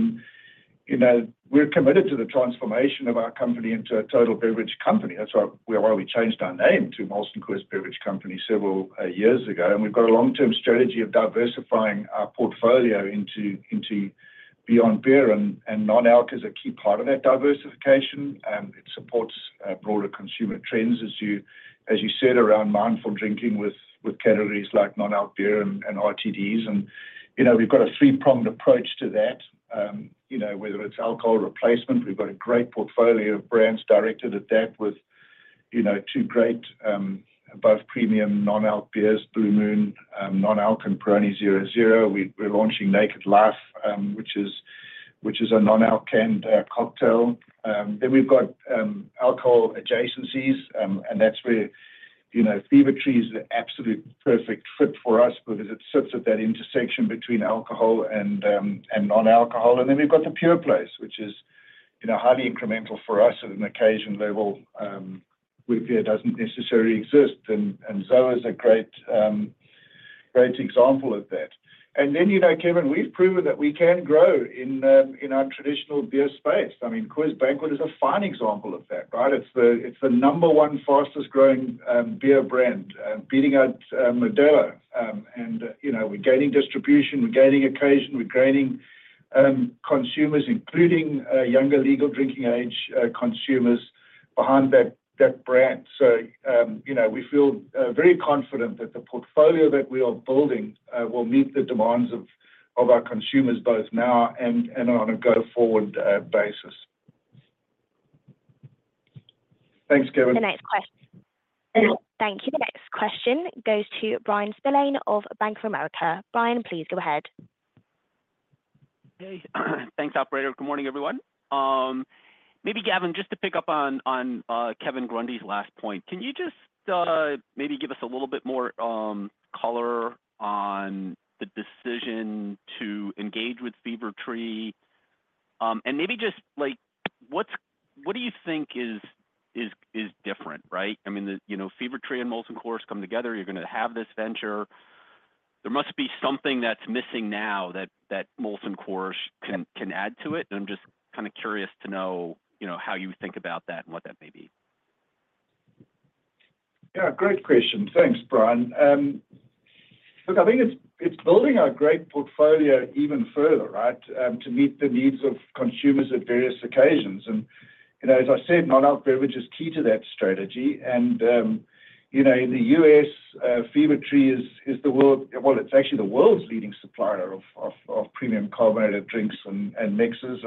[SPEAKER 3] We're committed to the transformation of our company into a total beverage company. That's why we changed our name to Molson Coors Beverage Company several years ago. We've got a long-term strategy of diversifying our portfolio into beyond beer. Non-alc is a key part of that diversification. It supports broader consumer trends, as you said, around mindful drinking with categories like non-alc beer and RTDs. We've got a three-pronged approach to that, whether it's alcohol replacement. We've got a great portfolio of brands directed at that with two great both premium non-alc beers, Blue Moon non-alc and Peroni 00. We're launching Naked Life, which is a non-alc canned cocktail. Then we've got alcohol adjacencies, and that's where Fever-Tree is the absolute perfect fit for us because it sits at that intersection between alcohol and non-alcohol. And then we've got the Pure Place, which is highly incremental for us on occasion level where beer doesn't necessarily exist. And ZOA is a great example of that. And then, Kevin, we've proven that we can grow in our traditional beer space. I mean, Coors Banquet is a fine example of that, right? It's the number one fastest-growing beer brand, beating out Modelo. And we're gaining distribution. We're gaining occasion. We're gaining consumers, including younger legal drinking age consumers behind that brand. So we feel very confident that the portfolio that we are building will meet the demands of our consumers both now and on a go-forward basis. Thanks, Kevin.
[SPEAKER 1] The next question. Thank you. The next question goes to Bryan Spillane of Bank of America. Bryan, please go ahead.
[SPEAKER 13] Thanks, Operator. Good morning, everyone. Maybe, Gavin, just to pick up on Kevin Grundy's last point, can you just maybe give us a little bit more color on the decision to engage with Fever-Tree? And maybe just what do you think is different, right? I mean, Fever-Tree and Molson Coors come together. You're going to have this venture. There must be something that's missing now that Molson Coors can add to it. I'm just kind of curious to know how you think about that and what that may be.
[SPEAKER 3] Yeah. Great question. Thanks, Bryan.Look, I think it's building our great portfolio even further, right, to meet the needs of consumers at various occasions. And as I said, non-alc beverage is key to that strategy. And in the U.S., Fever-Tree is well, it's actually the world's leading supplier of premium carbonated drinks and mixes.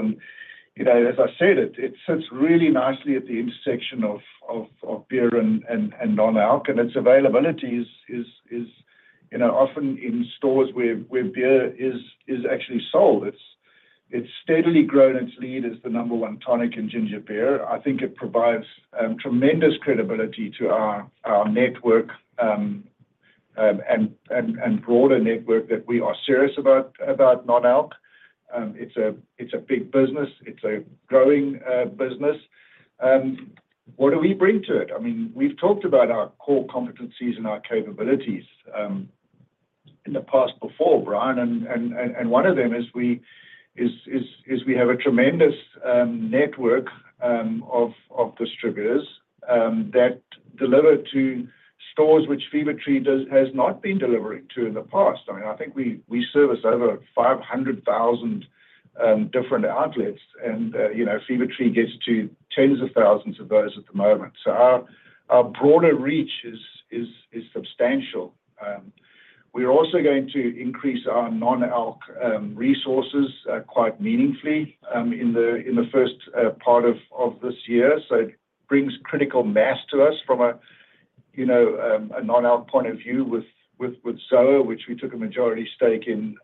[SPEAKER 3] And as I said, it sits really nicely at the intersection of beer and non-alc. And its availability is often in stores where beer is actually sold. It's steadily grown its lead as the number one tonic in ginger beer. I think it provides tremendous credibility to our network and broader network that we are serious about non-alc. It's a big business. It's a growing business. What do we bring to it? I mean, we've talked about our core competencies and our capabilities in the past before, Bryan.One of them is we have a tremendous network of distributors that deliver to stores which Fever-Tree has not been delivering to in the past. I mean, I think we service over 500,000 different outlets. Fever-Tree gets to tens of thousands of those at the moment. Our broader reach is substantial. We're also going to increase our non-alc resources quite meaningfully in the first part of this year. It brings critical mass to us from a non-alc point of view with ZOA, which we took a majority stake in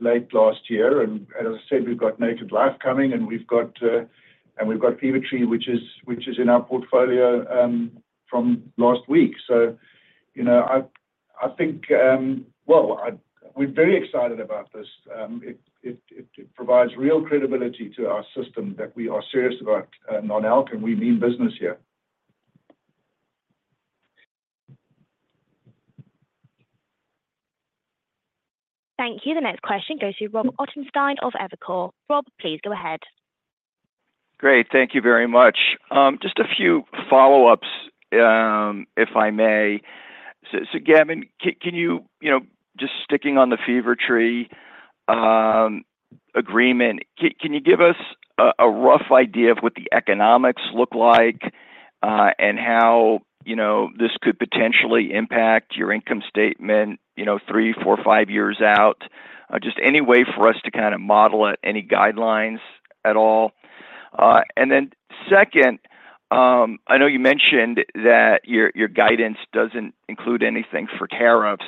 [SPEAKER 3] late last year. As I said, we've got Naked Life coming. We've got Fever-Tree, which is in our portfolio from last week. I think we're very excited about this. It provides real credibility to our system that we are serious about non-alc and we mean business here.
[SPEAKER 1] Thank you. The next question goes to Rob Hodgson of Evercore. Rob, please go ahead.
[SPEAKER 14] Great. Thank you very much. Just a few follow-ups, if I may. So Gavin, can you just sticking on the Fever-Tree agreement, can you give us a rough idea of what the economics look like and how this could potentially impact your income statement three, four, five years out? Just any way for us to kind of model it, any guidelines at all? And then second, I know you mentioned that your guidance doesn't include anything for tariffs.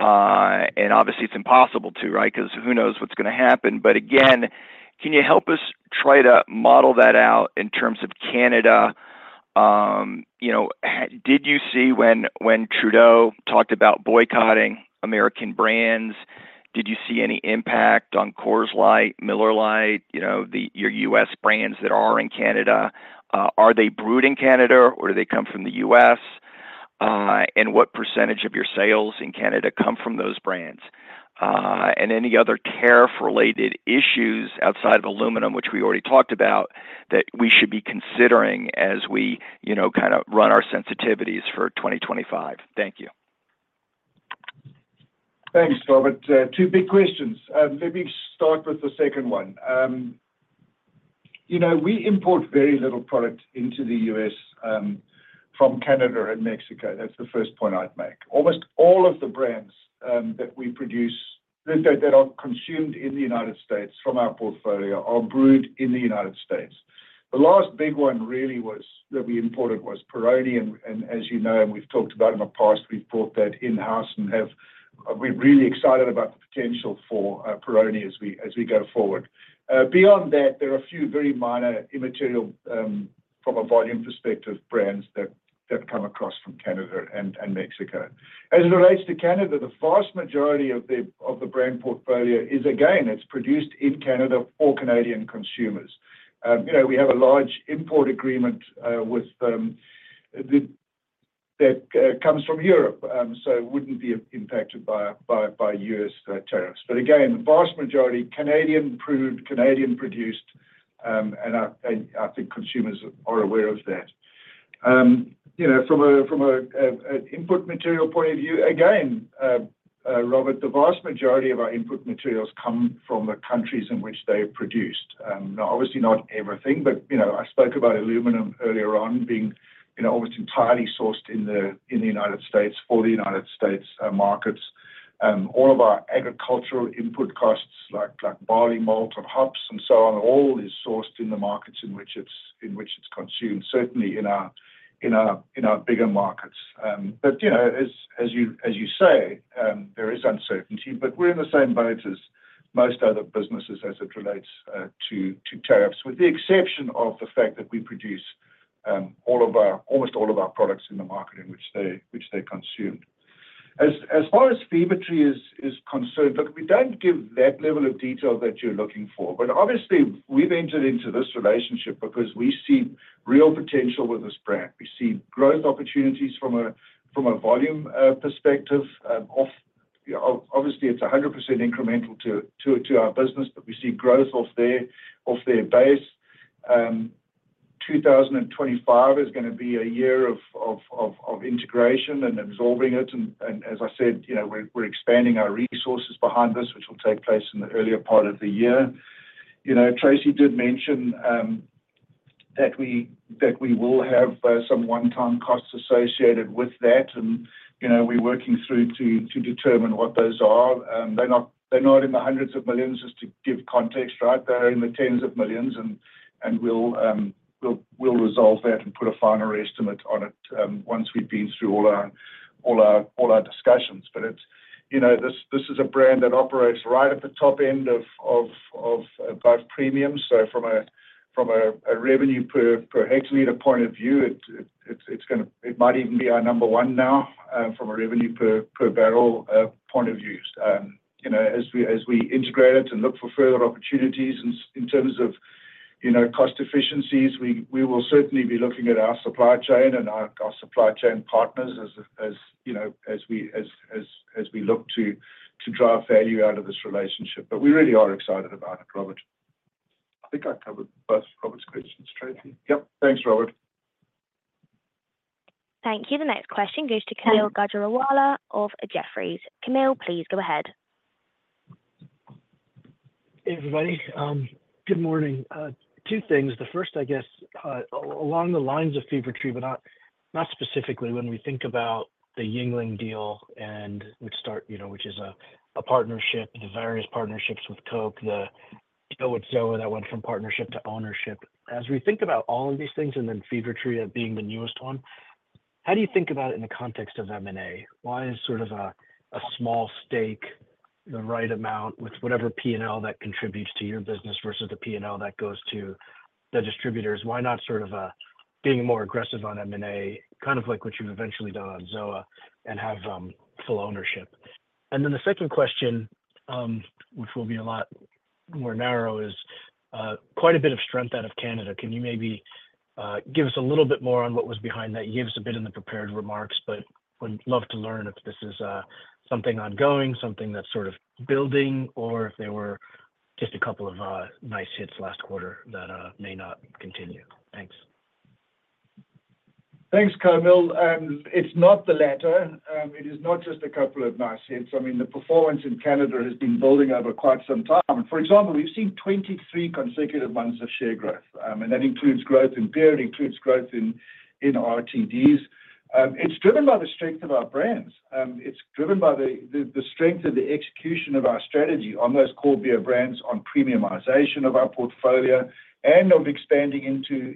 [SPEAKER 14] And obviously, it's impossible to, right? Because who knows what's going to happen. But again, can you help us try to model that out in terms of Canada? Did you see when Trudeau talked about boycotting American brands? Did you see any impact on Coors Light, Miller Lite, your U.S. brands that are in Canada? Are they brewed in Canada, or do they come from the U.S., and what percentage of your sales in Canada come from those brands, and any other tariff-related issues outside of aluminum, which we already talked about, that we should be considering as we kind of run our sensitivities for 2025? Thank you.
[SPEAKER 3] Thanks, Robert. Two big questions. Let me start with the second one. We import very little product into the U.S. from Canada and Mexico. That's the first point I'd make. Almost all of the brands that we produce that are consumed in the United States from our portfolio are brewed in the United States. The last big one really that we imported was Peroni, and as you know, and we've talked about in the past, we've brought that in-house and we're really excited about the potential for Peroni as we go forward. Beyond that, there are a few very minor immaterial from a volume perspective brands that come across from Canada and Mexico. As it relates to Canada, the vast majority of the brand portfolio is, again, it's produced in Canada for Canadian consumers. We have a large import agreement that comes from Europe, so it wouldn't be impacted by U.S. tariffs. But again, the vast majority Canadian-brewed, Canadian-produced, and I think consumers are aware of that. From an input material point of view, again, Robert, the vast majority of our input materials come from the countries in which they're produced. Now, obviously, not everything, but I spoke about aluminum earlier on being almost entirely sourced in the United States for the United States markets. All of our agricultural input costs, like barley malt and hops and so on, all is sourced in the markets in which it's consumed, certainly in our bigger markets. But as you say, there is uncertainty, but we're in the same boat as most other businesses as it relates to tariffs, with the exception of the fact that we produce almost all of our products in the market in which they're consumed. As far as Fever-Tree is concerned, look, we don't give that level of detail that you're looking for. But obviously, we've entered into this relationship because we see real potential with this brand. We see growth opportunities from a volume perspective. Obviously, it's 100% incremental to our business, but we see growth off their base. 2025 is going to be a year of integration and absorbing it. As I said, we're expanding our resources behind this, which will take place in the earlier part of the year. Tracey did mention that we will have some one-time costs associated with that. And we're working through to determine what those are. They're not in the hundreds of millions just to give context, right? They're in the tens of millions. And we'll resolve that and put a final estimate on it once we've been through all our discussions. This is a brand that operates right at the top end of both premium. So from a revenue per hectoliter point of view, it might even be our number one now from a revenue per barrel point of view. As we integrate it and look for further opportunities in terms of cost efficiencies, we will certainly be looking at our supply chain and our supply chain partners as we look to drive value out of this relationship. But we really are excited about it, Robert. I think I covered both Robert's questions, Tracey. Yep. Thanks, Robert.
[SPEAKER 1] Thank you. The next question goes to Kaumil Gajrawala of Jefferies. Kaumil, please go ahead.
[SPEAKER 15] Hey, everybody. Good morning. Two things. The first, I guess, along the lines of Fever-Tree, but not specifically when we think about the Yuengling deal, which is a partnership, the various partnerships with Coke, the deal with ZOA that went from partnership to ownership. As we think about all of these things and then Fever-Tree being the newest one, how do you think about it in the context of M&A? Why is sort of a small stake the right amount with whatever P&L that contributes to your business versus the P&L that goes to the distributors? Why not sort of being more aggressive on M&A, kind of like what you've eventually done on ZOA, and have full ownership? And then the second question, which will be a lot more narrow, is quite a bit of strength out of Canada. Can you maybe give us a little bit more on what was behind that? You gave us a bit in the prepared remarks, but would love to learn if this is something ongoing, something that's sort of building, or if there were just a couple of nice hits last quarter that may not continue. Thanks.
[SPEAKER 3] Thanks, Kaumil. It's not the latter. It is not just a couple of nice hits. mean, the performance in Canada has been building over quite some time. For example, we've seen 23 consecutive months of share growth, and that includes growth in beer. It includes growth in RTDs. It's driven by the strength of our brands. It's driven by the strength of the execution of our strategy on those core beer brands, on premiumization of our portfolio, and of expanding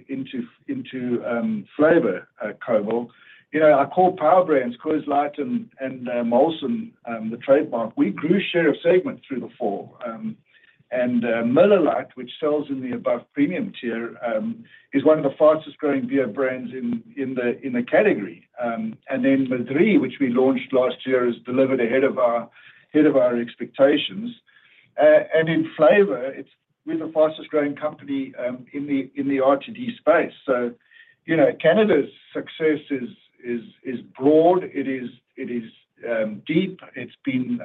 [SPEAKER 3] into flavor, Cobo. Our core power brands, Coors Light and Molson, the trademark, we grew share of segment through the fall, and Miller Lite, which sells in the above premium tier, is one of the fastest-growing beer brands in the category, and then Madrí, which we launched last year, has delivered ahead of our expectations, and in flavor, we're the fastest-growing company in the RTD space, so Canada's success is broad. It is deep. It's been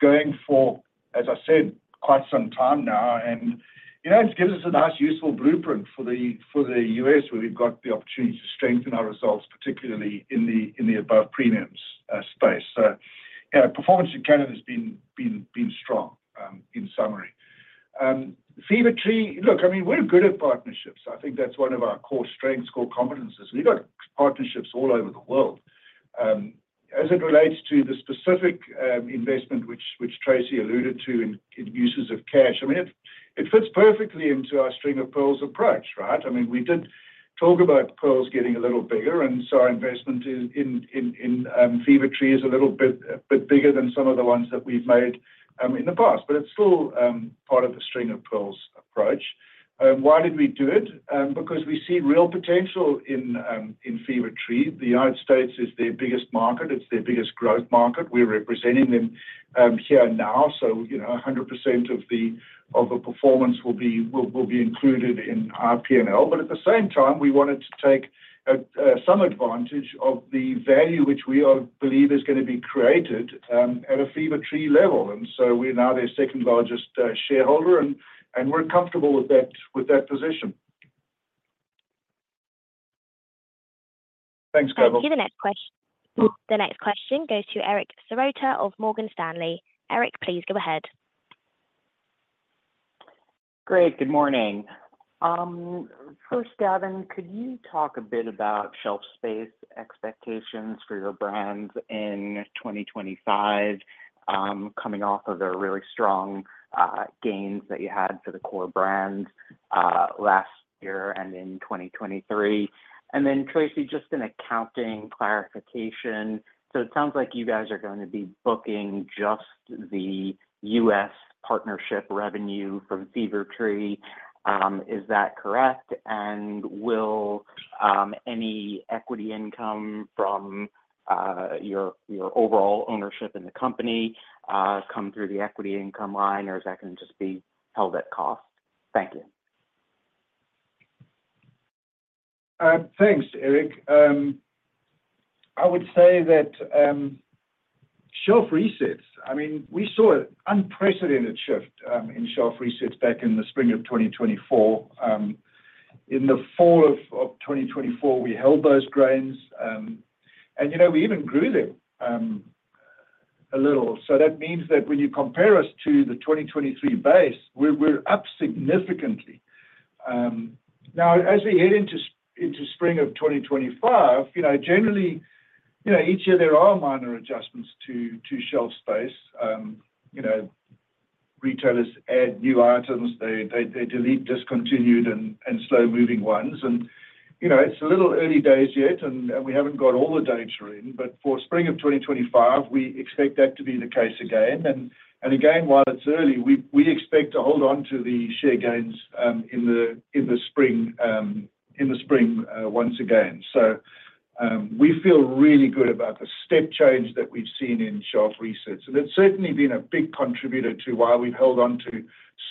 [SPEAKER 3] going for, as I said, quite some time now, and it gives us a nice, useful blueprint for the U.S., where we've got the opportunity to strengthen our results, particularly in the above premiums space, so performance in Canada has been strong, in summary. Fever-Tree, look, I mean, we're good at partnerships. I think that's one of our core strengths, core competencies. We've got partnerships all over the world. As it relates to the specific investment, which Tracey alluded to in uses of cash, I mean, it fits perfectly into our string of pearls approach, right? I mean, we did talk about pearls getting a little bigger, and so our investment in Fever-Tree is a little bit bigger than some of the ones that we've made in the past, but it's still part of the string of pearls approach. Why did we do it? Because we see real potential in Fever-Tree. The United States is their biggest market. It's their biggest growth market. We're representing them here now. So 100% of the performance will be included in our P&L. But at the same time, we wanted to take some advantage of the value, which we believe is going to be created at a Fever-Tree level. And so we're now their second-largest shareholder. And we're comfortable with that position. Thanks, Kaumil.
[SPEAKER 1] Thank you. The next question goes to Eric Serota of Morgan Stanley. Eric, please go ahead.
[SPEAKER 16] Great. Good morning. First, Gavin, could you talk a bit about shelf space expectations for your brands in 2025, coming off of the really strong gains that you had for the core brands last year and in 2023? And then, Tracey, just an accounting clarification. So it sounds like you guys are going to be booking just the U.S. partnership revenue from Fever-Tree. Is that correct? And will any equity income from your overall ownership in the company come through the equity income line, or is that going to just be held at cost? Thank you.
[SPEAKER 3] Thanks, Eric. I would say that shelf resets, I mean, we saw an unprecedented shift in shelf resets back in the spring of 2024. In the fall of 2024, we held those gains. And we even grew them a little. So that means that when you compare us to the 2023 base, we're up significantly. Now, as we head into spring of 2025, generally, each year, there are minor adjustments to shelf space. Retailers add new items. They delete discontinued and slow-moving ones. And it's a little early days yet, and we haven't got all the data in. For spring of 2025, we expect that to be the case again. Again, while it's early, we expect to hold on to the share gains in the spring once again. We feel really good about the step change that we've seen in shelf resets. It's certainly been a big contributor to why we've held on to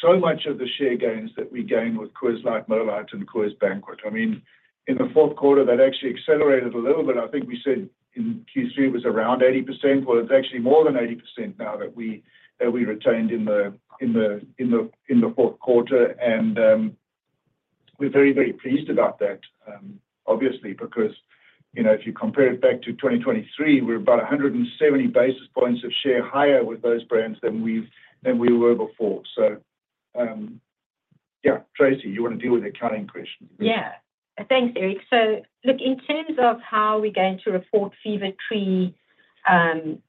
[SPEAKER 3] so much of the share gains that we gained with Coors Light, Miller Lite, and Coors Banquet. I mean, in the fourth quarter, that actually accelerated a little bit. I think we said in Q3 it was around 80%. It's actually more than 80% now that we retained in the fourth quarter. We're very, very pleased about that, obviously, because if you compare it back to 2023, we're about 170 basis points of share higher with those brands than we were before. So yeah, Tracey, you want to deal with the accounting question?
[SPEAKER 4] Yeah. Thanks, Eric. So look, in terms of how we're going to report Fever-Tree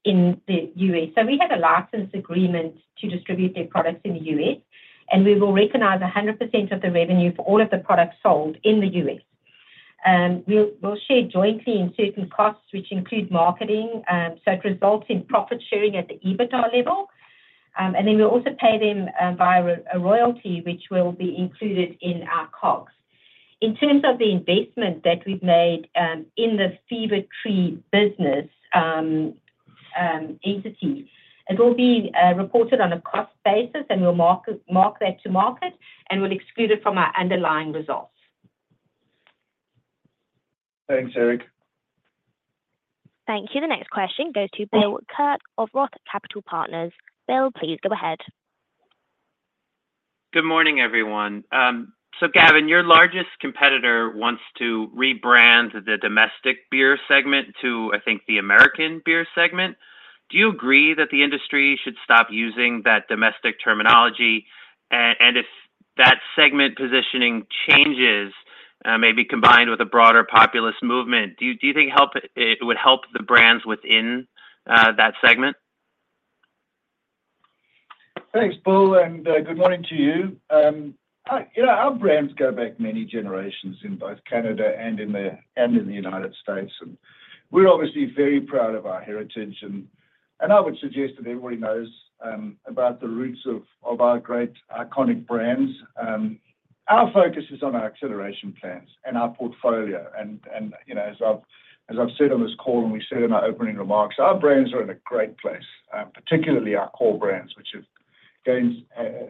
[SPEAKER 4] in the U.S., so we have a license agreement to distribute their products in the U.S., and we will recognize 100% of the revenue for all of the products sold in the U.S. We'll share jointly in certain costs, which include marketing. So it results in profit sharing at the EBITDA level. And then we'll also pay them via a royalty, which will be included in our COGS. In terms of the investment that we've made in the Fever-Tree business entity, it will be reported on a cost basis, and we'll mark that to market, and we'll exclude it from our underlying results.
[SPEAKER 3] Thanks, Eric.
[SPEAKER 1] Thank you. The next question goes to Bill Kirk of Roth Capital Partners. Bill, please go ahead.
[SPEAKER 17] Good morning, everyone. Gavin, your largest competitor wants to rebrand the domestic beer segment to, I think, the American beer segment. Do you agree that the industry should stop using that domestic terminology? And if that segment positioning changes, maybe combined with a broader populist movement, do you think it would help the brands within that segment? Thanks, Paul. Good morning to you. Our brands go back many generations in both Canada and in the United States. We're obviously very proud of our heritage. I would suggest that everybody knows about the roots of our great iconic brands. Our focus is on our acceleration plans and our portfolio. As I've said on this call, and we said in our opening remarks, our brands are in a great place, particularly our core brands, which have gained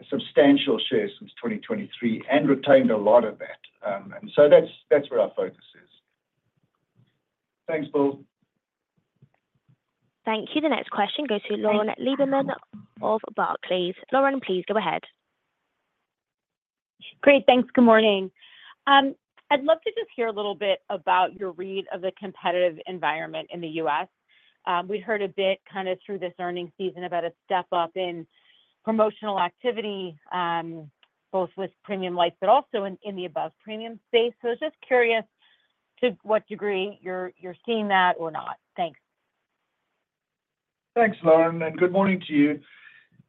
[SPEAKER 17] substantial share since 2023 and retained a lot of that. And so that's where our focus is. Thanks, Paul.
[SPEAKER 1] Thank you. The next question goes to Lauren Lieberman of Barclays. Lauren, please go ahead.
[SPEAKER 18] Great. Thanks. Good morning. I'd love to just hear a little bit about your read of the competitive environment in the U.S. We'd heard a bit kind of through this earnings season about a step up in promotional activity, both with premium lights, but also in the above premium space. So I was just curious to what degree you're seeing that or not. Thanks.
[SPEAKER 3] Thanks, Lauren. And good morning to you.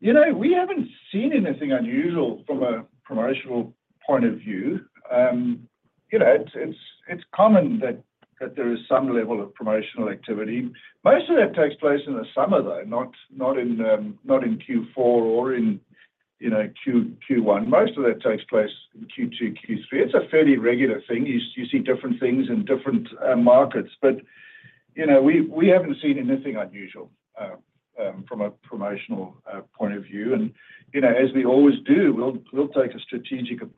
[SPEAKER 3] We haven't seen anything unusual from a promotional point of view. It's common that there is some level of promotional activity. Most of that takes place in the summer, though, not in Q4 or in Q1. Most of that takes place in Q2, Q3. It's a fairly regular thing. You see different things in different markets. But we haven't seen anything unusual from a promotional point of view. And as we always do, we'll take a strategic approach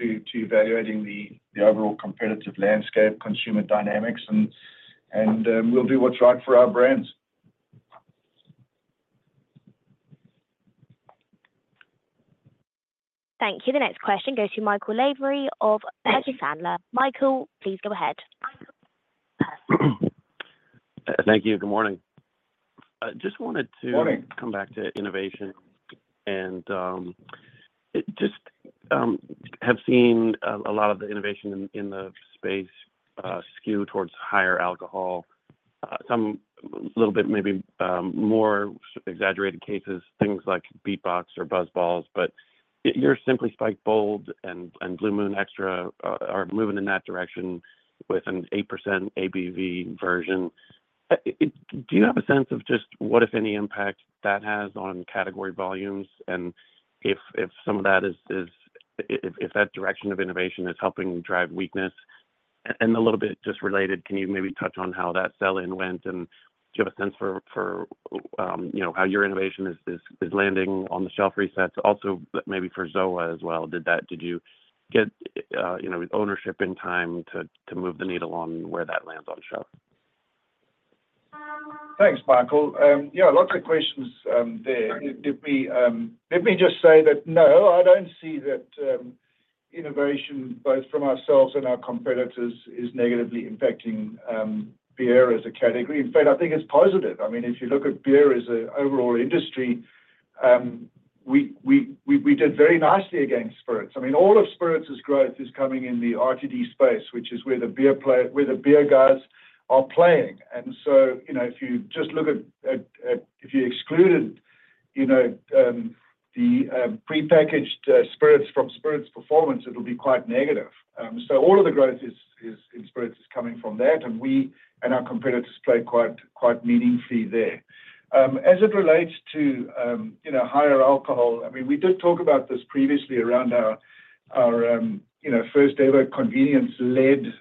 [SPEAKER 3] to evaluating the overall competitive landscape, consumer dynamics, and we'll do what's right for our brands
[SPEAKER 1] Thank you. The next question goes to Michael Lavery of Piper Sandler. Michael, please go ahead.
[SPEAKER 19] Thank you. Good morning. I just wanted to come back to innovation. And just have seen a lot of the innovation in the space skew towards higher alcohol. Some a little bit maybe more exaggerated cases, things like BeatBox or BuzzBallz. But your Simply Spiked Bold and Blue Moon Extra are moving in that direction with an 8% ABV version. Do you have a sense of just what, if any, impact that has on category volumes? And if some of that is if that direction of innovation is helping drive weakness. And a little bit just related, can you maybe touch on how that sell-in went? And do you have a sense for how your innovation is landing on the shelf resets? Also maybe for ZOA as well. Did you get ownership in time to move the needle on where that lands on shelf?
[SPEAKER 3] Thanks, Michael. Yeah, lots of questions there. Let me just say that no, I don't see that innovation, both from ourselves and our competitors, is negatively impacting beer as a category. In fact, I think it's positive. I mean, if you look at beer as an overall industry, we did very nicely against spirits. I mean, all of spirits' growth is coming in the RTD space, which is where the beer guys are playing. And so if you just look at if you excluded the prepackaged spirits from spirits performance, it'll be quite negative. So all of the growth in spirits is coming from that. And we and our competitors play quite meaningfully there. As it relates to higher alcohol, I mean, we did talk about this previously around our first-ever convenience-led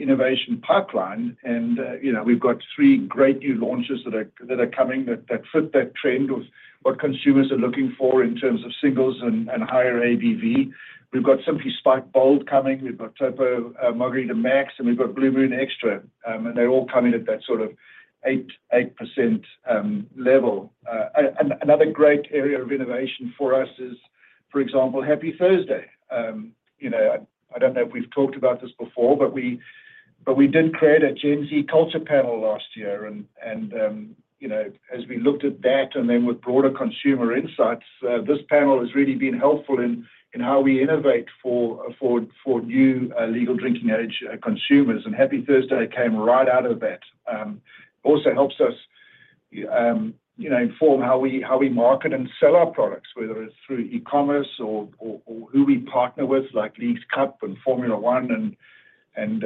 [SPEAKER 3] innovation pipeline. And we've got three great new launches that are coming that fit that trend of what consumers are looking for in terms of singles and higher ABV. We've got Simply Spiked Bold coming. We've got Topo Chico Margarita. And we've got Blue Moon Extra. And they're all coming at that sort of 8% level. Another great area of innovation for us is, for example, Happy Thursday. I don't know if we've talked about this before, but we did create a Gen Z culture panel last year. As we looked at that and then with broader consumer insights, this panel has really been helpful in how we innovate for new legal drinking age consumers. Happy Thursday came right out of that. It also helps us inform how we market and sell our products, whether it's through e-commerce or who we partner with, like Leagues Cup and Formula 1, and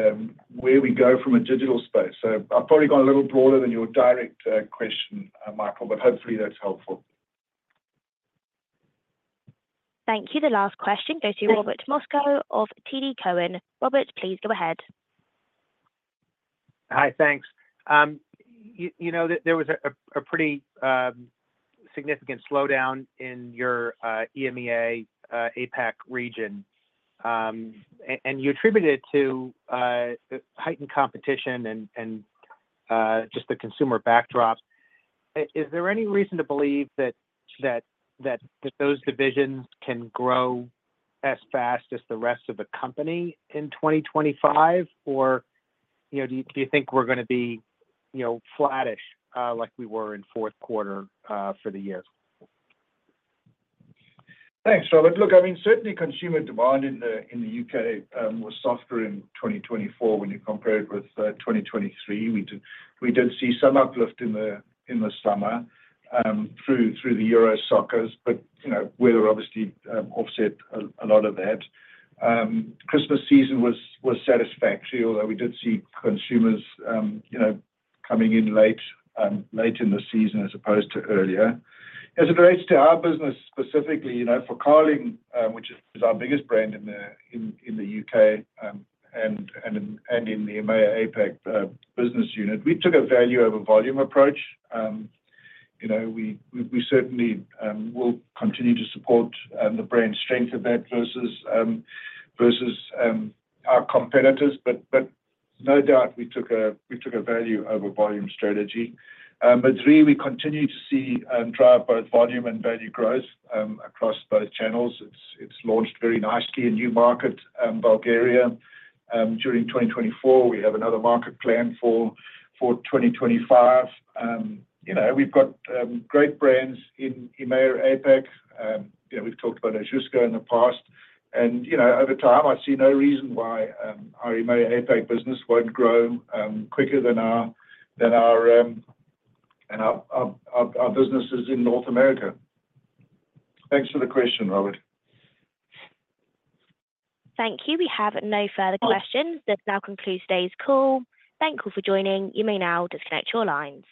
[SPEAKER 3] where we go from a digital space. So I've probably gone a little broader than your direct question, Michael, but hopefully that's helpful.
[SPEAKER 1] Thank you. The last question goes to Robert Moskow of TD Cowen. Robert, please go ahead.
[SPEAKER 20] Hi, thanks. There was a pretty significant slowdown in your EMEA APAC region. You attributed it to heightened competition and just the consumer backdrop. Is there any reason to believe that those divisions can grow as fast as the rest of the company in 2025?Or do you think we're going to be flattish like we were in fourth quarter for the year? Thanks.
[SPEAKER 3] So look, I mean, certainly consumer demand in the U.K. was softer in 2024 when you compared with 2023. We did see some uplift in the summer through the Euros, but weather obviously offset a lot of that. Christmas season was satisfactory, although we did see consumers coming in late in the season as opposed to earlier. As it relates to our business specifically, for Carling, which is our biggest brand in the U.K. and in the EMEA & APAC business unit, we took a value-over-volume approach. We certainly will continue to support the brand strength of that versus our competitors. But no doubt, we took a value-over-volume strategy. Madrí, we continue to see drive both volume and value growth across both channels. It's launched very nicely in new markets, Bulgaria.During 2024, we have another market planned for 2025. We've got great brands in EMEA APAC. We've talked about Ožujsko in the past, and over time, I see no reason why our EMEA APAC business won't grow quicker than our businesses in North America. Thanks for the question, Robert.
[SPEAKER 1] Thank you. We have no further questions. This now concludes today's call. Thank you for joining. You may now disconnect your lines.